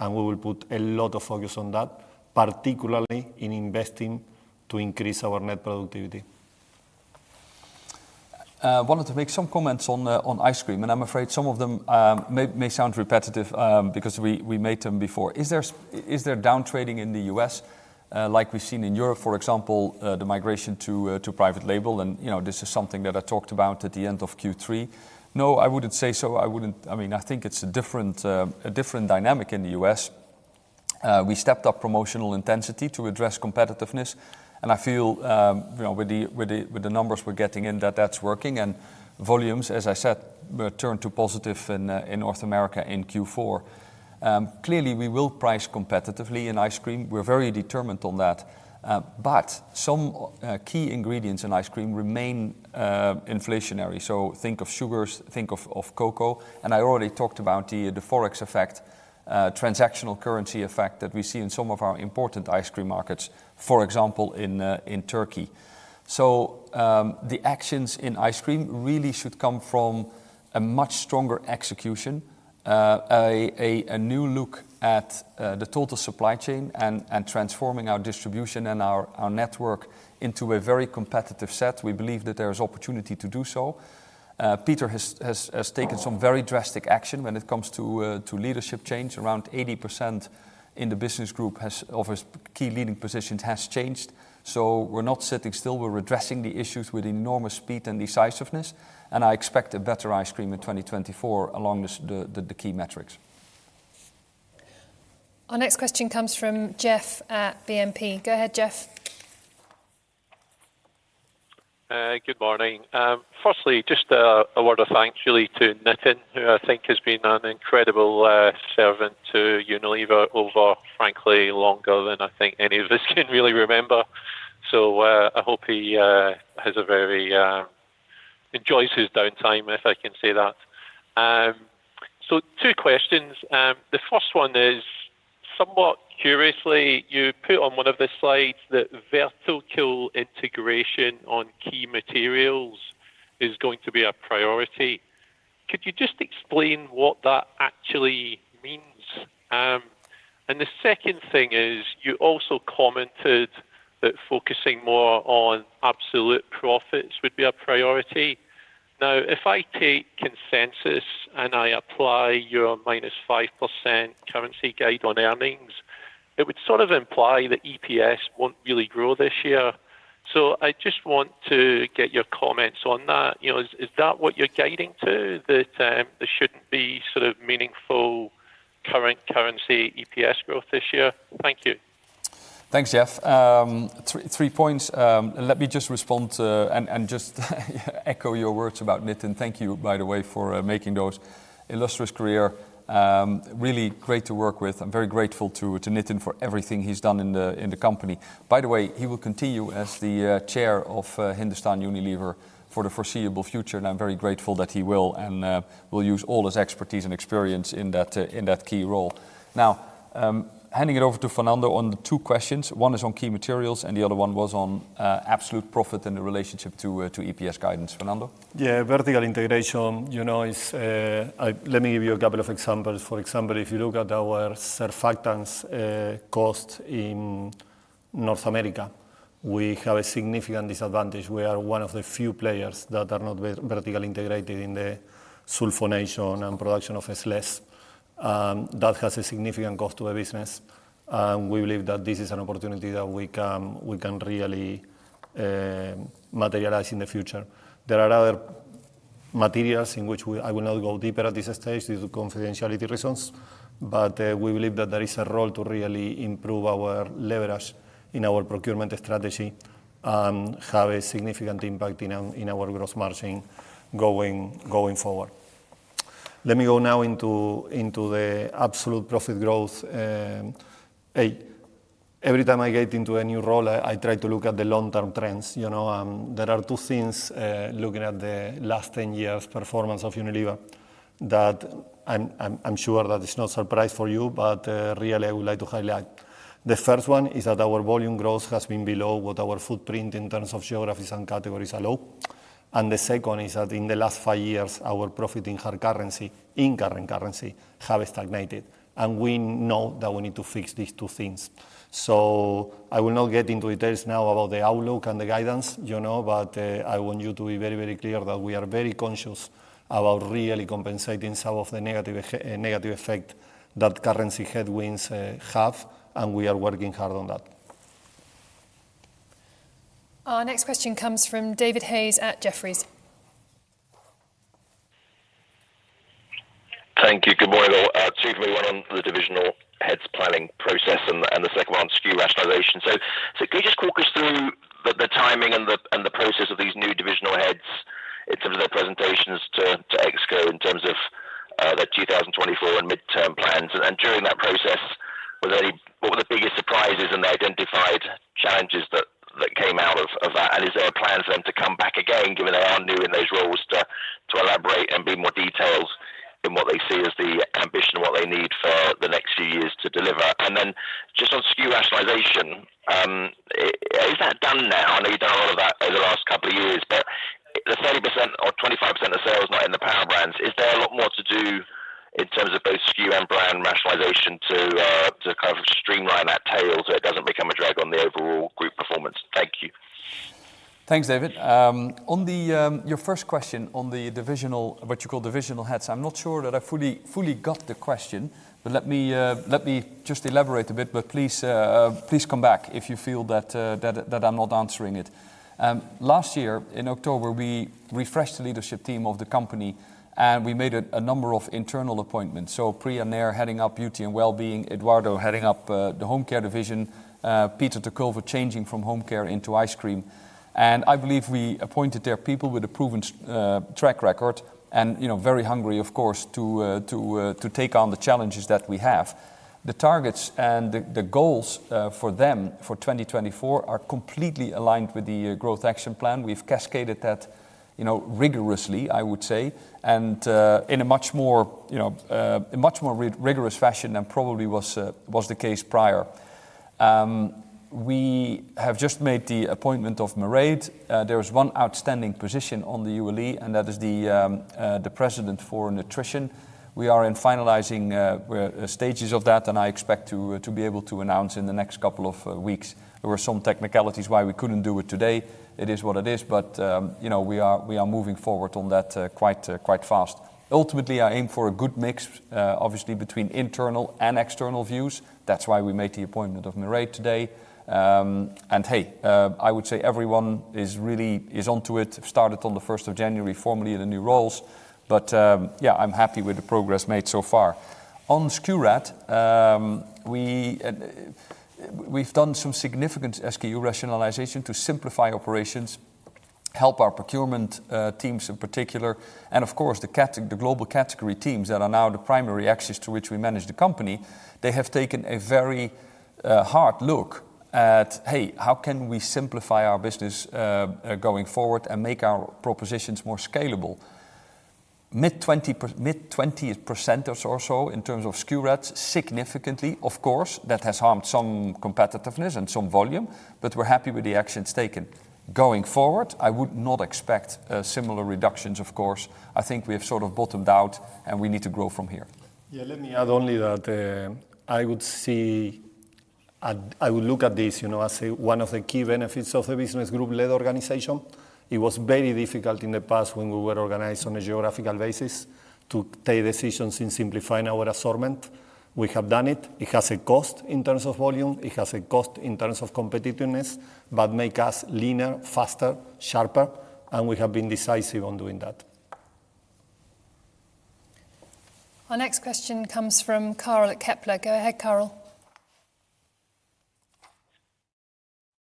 and we will put a lot of focus on that, particularly in investing to increase our net productivity. I wanted to make some comments on ice cream, and I'm afraid some of them may sound repetitive, because we made them before. Is there downtrading in the U.S., like we've seen in Europe, for example, the migration to private label and, you know, this is something that I talked about at the end of Q3? No, I wouldn't say so. I wouldn't... I mean, I think it's a different dynamic in the U.S. We stepped up promotional intensity to address competitiveness, and I feel, you know, with the numbers we're getting in, that that's working. And volumes, as I said, were turned to positive in North America in Q4. Clearly, we will price competitively in ice cream. We're very determined on that. But some key ingredients in ice cream remain inflationary. So think of sugars, think of cocoa, and I already talked about the Forex effect, transactional currency effect that we see in some of our important ice cream markets, for example, in Turkey. So the actions in ice cream really should come from a much stronger execution, a new look at the total supply chain and transforming our distribution and our network into a very competitive set. We believe that there is opportunity to do so. Peter has taken some very drastic action when it comes to leadership change. Around 80% in the business group has of his key leading positions, has changed. So we're not sitting still, we're addressing the issues with enormous speed and decisiveness, and I expect a better Ice Cream in 2024 along this, the key metrics. Our next question comes from Jeff at BNP. Go ahead, Jeff. Good morning. Firstly, just a word of thanks really to Nitin, who I think has been an incredible servant to Unilever over, frankly, longer than I think any of us can really remember. So, I hope he enjoys his downtime, if I can say that. So two questions. The first one is, somewhat curiously, you put on one of the slides that vertical integration on key materials is going to be a priority. Could you just explain what that actually means? And the second thing is, you also commented that focusing more on absolute profits would be a priority. Now, if I take consensus, and I apply your minus 5% currency guide on earnings, it would sort of imply that EPS won't really grow this year. So I just want to get your comments on that. You know, is that what you're guiding to, that there shouldn't be sort of meaningful constant currency EPS growth this year? Thank you. Thanks, Jeff. Three points. Let me just respond to, and just echo your words about Nitin. Thank you, by the way, for making those illustrious career, really great to work with. I'm very grateful to Nitin for everything he's done in the company. By the way, he will continue as the chair of Hindustan Unilever for the foreseeable future, and I'm very grateful that he will, and will use all his expertise and experience in that key role. Now, handing it over to Fernando on the two questions. One is on key materials, and the other one was on absolute profit and the relationship to EPS guidance. Fernando? Yeah, vertical integration, you know, is, I... Let me give you a couple of examples. For example, if you look at our surfactants cost in North America, we have a significant disadvantage. We are one of the few players that are not vertically integrated in the sulfonation and production of SLS. That has a significant cost to our business, and we believe that this is an opportunity that we can really materialize in the future. There are other materials in which I will not go deeper at this stage due to confidentiality reasons, but we believe that there is a role to really improve our leverage in our procurement strategy and have a significant impact in our gross margin going forward. Let me go now into the absolute profit growth. Every time I get into a new role, I try to look at the long-term trends, you know? There are two things, looking at the last 10 years' performance of Unilever, that I'm sure that it's no surprise for you, but really, I would like to highlight. The first one is that our volume growth has been below what our footprint in terms of geographies and categories allow. And the second is that in the last 5 years, our profit in hard currency, in current currency, have stagnated, and we know that we need to fix these two things. I will not get into details now about the outlook and the guidance, you know, but I want you to be very, very clear that we are very conscious about really compensating some of the negative effect that currency headwinds have, and we are working hard on that. Our next question comes from David Hayes at Jefferies. Thank you. Good morning, all. Two for me, one on the divisional heads planning process, and the second one on SKU rationalizationionalization. So could you just walk us through the timing and the process of these new divisional heads in terms of their presentations to ExCo in terms of their 2024 and midterm plans? And during that process, what were the biggest surprises and the identified challenges that came out of that? And is there plans for them to come back again, given they are new in those roles, to elaborate and be more detailed in what they see as the ambition and what they need for the next few years to deliver? And then just on SKU rationalizationionalization, is that done now? I know you've done a lot of that over the last couple of years, but the 30% or 25% of sales not in the Power Brands, is there a lot more to do in terms of both SKU and brand rationalization to kind of streamline that tail so it doesn't become a drag on the overall group performance? Thank you. Thanks, David. On your first question on the divisional, what you call divisional heads, I'm not sure that I fully got the question, but let me just elaborate a bit, but please come back if you feel that that I'm not answering it. Last year, in October, we refreshed the leadership team of the company, and we made a number of internal appointments. So Priya Nair heading up Beauty and Wellbeing, Eduardo heading up the Home Care division, Peter ter Kulve changing from Home Care into Ice Cream. And I believe we appointed these people with a proven track record and, you know, very hungry, of course, to take on the challenges that we have. The targets and the goals for them for 2024 are completely aligned with the Growth Action Plan. We've cascaded that, you know, rigorously, I would say, and in a much more, you know, a much more rigorous fashion than probably was the case prior. We have just made the appointment of Mairéad. There is one outstanding position on the ULE, and that is the president for nutrition. We are in finalizing stages of that, and I expect to be able to announce in the next couple of weeks. There were some technicalities why we couldn't do it today. It is what it is, but you know, we are moving forward on that quite fast. Ultimately, I aim for a good mix, obviously, between internal and external views. That's why we made the appointment of Mairéad today. And hey, I would say everyone is really, is onto it, started on the first of January, formally in the new roles. But, yeah, I'm happy with the progress made so far. On SKU rationalization, we, we've done some significant SKU rationalizationionalization to simplify operations, help our procurement, teams in particular, and of course, the global category teams that are now the primary access to which we manage the company. They have taken a very, hard look at, "Hey, how can we simplify our business, going forward and make our propositions more scalable?" Mid-20s% or so in terms of SKU rationalization, significantly, of course, that has harmed some competitiveness and some volume, but we're happy with the actions taken. Going forward, I would not expect, similar reductions, of course. I think we have sort of bottomed out, and we need to grow from here. Yeah, let me add only that. I would see and I would look at this, you know, as, say, one of the key benefits of the business group-led organization. It was very difficult in the past when we were organized on a geographical basis, to take decisions in simplifying our assortment. We have done it. It has a cost in terms of volume, it has a cost in terms of competitiveness, but make us leaner, faster, sharper, and we have been decisive on doing that. Our next question comes from Karel at Kepler. Go ahead, Karel.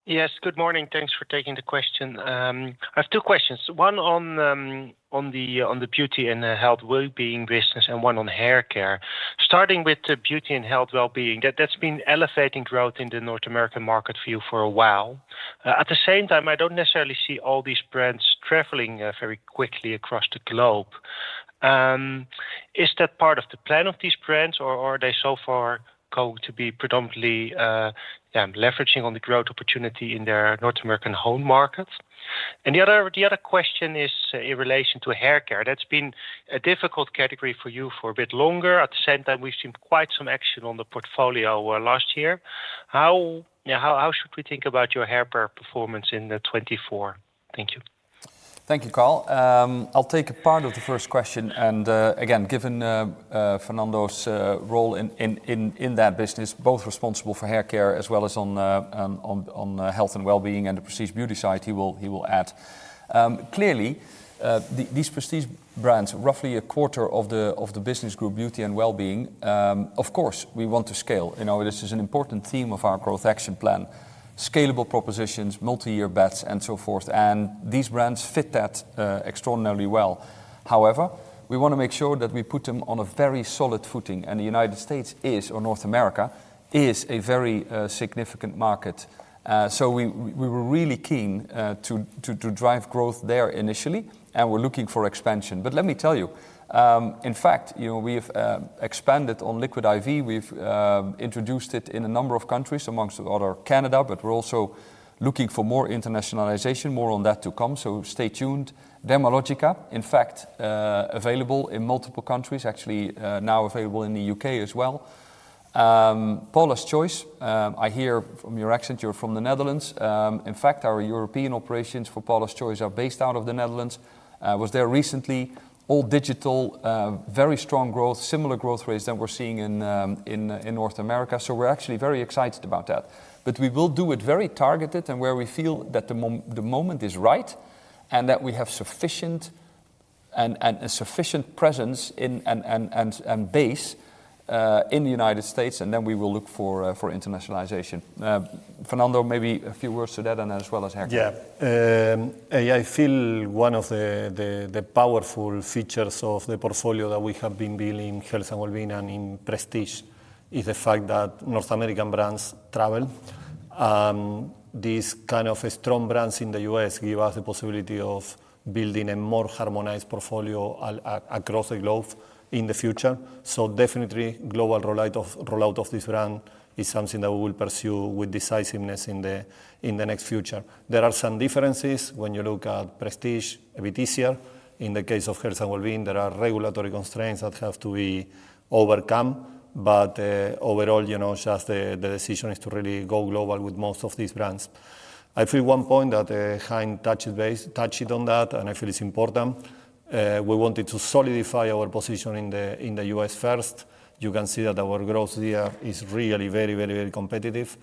Yes, good morning. Thanks for taking the question. I have two questions. One on the beauty and wellbeing business, and one on hair care. Starting with the beauty and wellbeing, that's been elevating growth in the North American market for you for a while. At the same time, I don't necessarily see all these brands traveling very quickly across the globe. Is that part of the plan of these brands, or are they so far going to be predominantly leveraging on the growth opportunity in their North American home markets? And the other question is in relation to hair care. That's been a difficult category for you for a bit longer. At the same time, we've seen quite some action on the portfolio last year. How should we think about your hair care performance in 2024? Thank you. Thank you, Karel. I'll take a part of the first question, and again, given Fernando's role in that business, both responsible for hair care as well as on health and wellbeing and the prestige beauty side, he will add. Clearly, these prestige brands, roughly a quarter of the business group Beauty and Wellbeing, of course, we want to scale. You know, this is an important theme of our Growth Action Plan, scalable propositions, multi-year bets, and so forth, and these brands fit that extraordinarily well. However, we want to make sure that we put them on a very solid footing, and the United States, or North America, is a very significant market. So we were really keen to drive growth there initially, and we're looking for expansion. But let me tell you, in fact, you know, we've expanded on Liquid I.V. We've introduced it in a number of countries, amongst others, Canada, but we're also looking for more internationalization, more on that to come, so stay tuned. Dermalogica, in fact, available in multiple countries, actually, now available in the UK as well. Paula's Choice, I hear from your accent, you're from the Netherlands. In fact, our European operations for Paula's Choice are based out of the Netherlands. I was there recently. All digital, very strong growth, similar growth rates that we're seeing in North America, so we're actually very excited about that. But we will do it very targeted and where we feel that the moment is right, and that we have sufficient presence in the base in the United States, and then we will look for internationalization. Fernando, maybe a few words to that, and as well as hair care. Yeah. I feel one of the powerful features of the portfolio that we have been building in health and wellbeing and in prestige is the fact that North American brands travel. These kind of strong brands in the US give us the possibility of building a more harmonized portfolio across the globe in the future. So definitely, global rollout of this brand is something that we will pursue with decisiveness in the next future. There are some differences when you look at prestige a bit easier. In the case of health and wellbeing, there are regulatory constraints that have to be overcome, but overall, you know, just the decision is to really go global with most of these brands. I feel one point that, Hein touched on that, and I feel it's important, we wanted to solidify our position in the, in the U.S. first. You can see that our growth here is really very, very, very competitive,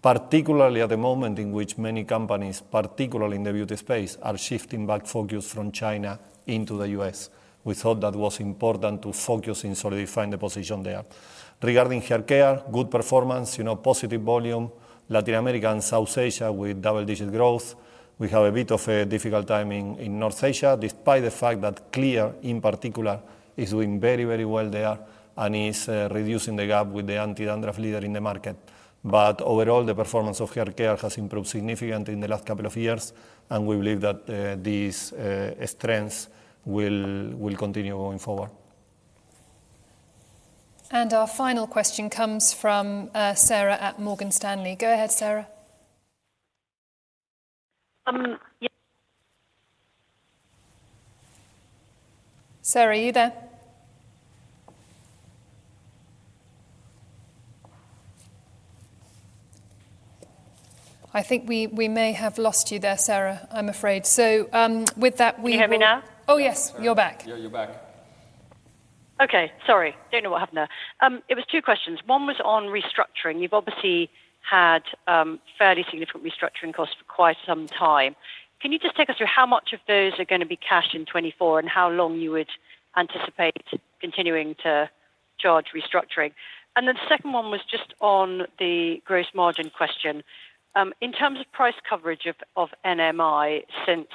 particularly at the moment in which many companies, particularly in the beauty space, are shifting back focus from China into the U.S. We thought that was important to focus in solidifying the position there. Regarding hair care, good performance, you know, positive volume, Latin America and South Asia with double-digit growth. We have a bit of a difficult time in, in North Asia, despite the fact that Clear, in particular, is doing very, very well there and is, reducing the gap with the anti-dandruff leader in the market. Overall, the performance of hair care has improved significantly in the last couple of years, and we believe that these strengths will continue going forward. Our final question comes from Sarah at Morgan Stanley. Go ahead, Sarah. Um, yeah- Sarah, are you there? I think we may have lost you there, Sarah. I'm afraid. So, with that, we will- Can you hear me now? Oh, yes, you're back. Yeah, you're back. Okay. Sorry, don't know what happened there. It was two questions. One was on restructuring. You've obviously had fairly significant restructuring costs for quite some time. Can you just take us through how much of those are gonna be cash in 2024, and how long you would anticipate continuing to charge restructuring? And then the second one was just on the gross margin question. In terms of price coverage of, of NMI since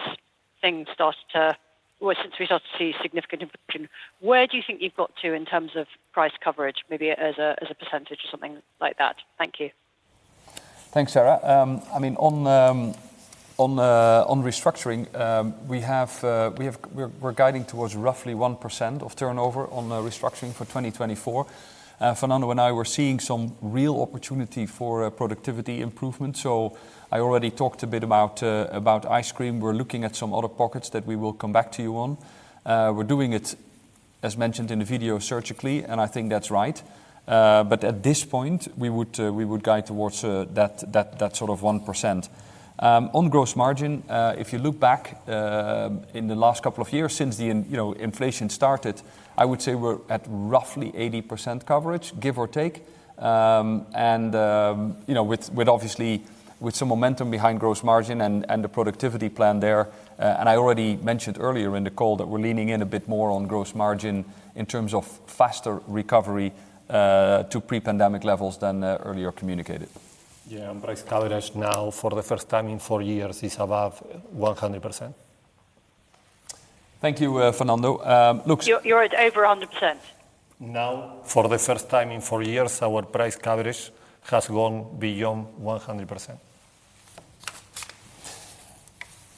things started to—well, since we started to see significant inflation, where do you think you've got to in terms of price coverage? Maybe as a, as a percentage or something like that. Thank you. Thanks, Sarah. I mean, on restructuring, we're guiding towards roughly 1% of turnover on the restructuring for 2024. Fernando and I were seeing some real opportunity for productivity improvement, so I already talked a bit about ice cream. We're looking at some other pockets that we will come back to you on. We're doing it, as mentioned in the video, surgically, and I think that's right. But at this point, we would guide towards that sort of 1%. On gross margin, if you look back in the last couple of years since inflation started, you know, I would say we're at roughly 80% coverage, give or take. And you know, with obviously some momentum behind gross margin and the productivity plan there, and I already mentioned earlier in the call that we're leaning in a bit more on gross margin in terms of faster recovery to pre-pandemic levels than earlier communicated. Yeah, and price coverage now, for the first time in four years, is above 100%. Thank you, Fernando. You're at over 100%? Now, for the first time in 4 years, our price coverage has gone beyond 100%.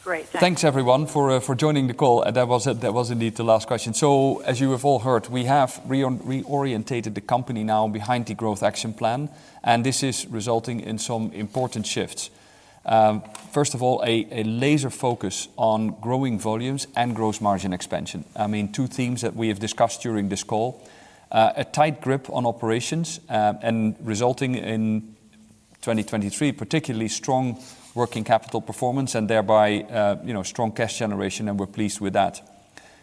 Great. Thanks. Thanks, everyone, for joining the call. And that was indeed the last question. So as you have all heard, we have reorientated the company now behind the Growth Action Plan, and this is resulting in some important shifts. First of all, a laser focus on growing volumes and gross margin expansion. I mean, two themes that we have discussed during this call. A tight grip on operations, and resulting in 2023, particularly strong working capital performance and thereby, you know, strong cash generation, and we're pleased with that.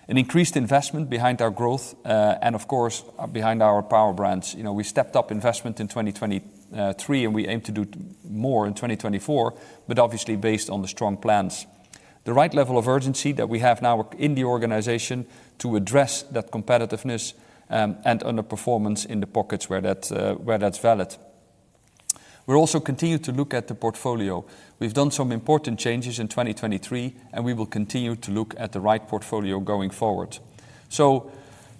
An increased investment behind our growth, and of course, behind our Power Brands. You know, we stepped up investment in 2023, and we aim to do more in 2024, but obviously based on the strong plans. The right level of urgency that we have now in the organization to address that competitiveness, and underperformance in the pockets where that, where that's valid. We'll also continue to look at the portfolio. We've done some important changes in 2023, and we will continue to look at the right portfolio going forward. So,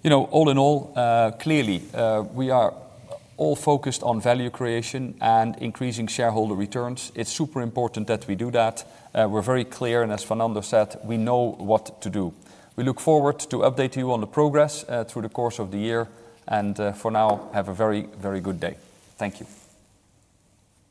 you know, all in all, clearly, we are all focused on value creation and increasing shareholder returns. It's super important that we do that. We're very clear, and as Fernando said, we know what to do. We look forward to update you on the progress, through the course of the year, and, for now, have a very, very good day. Thank you.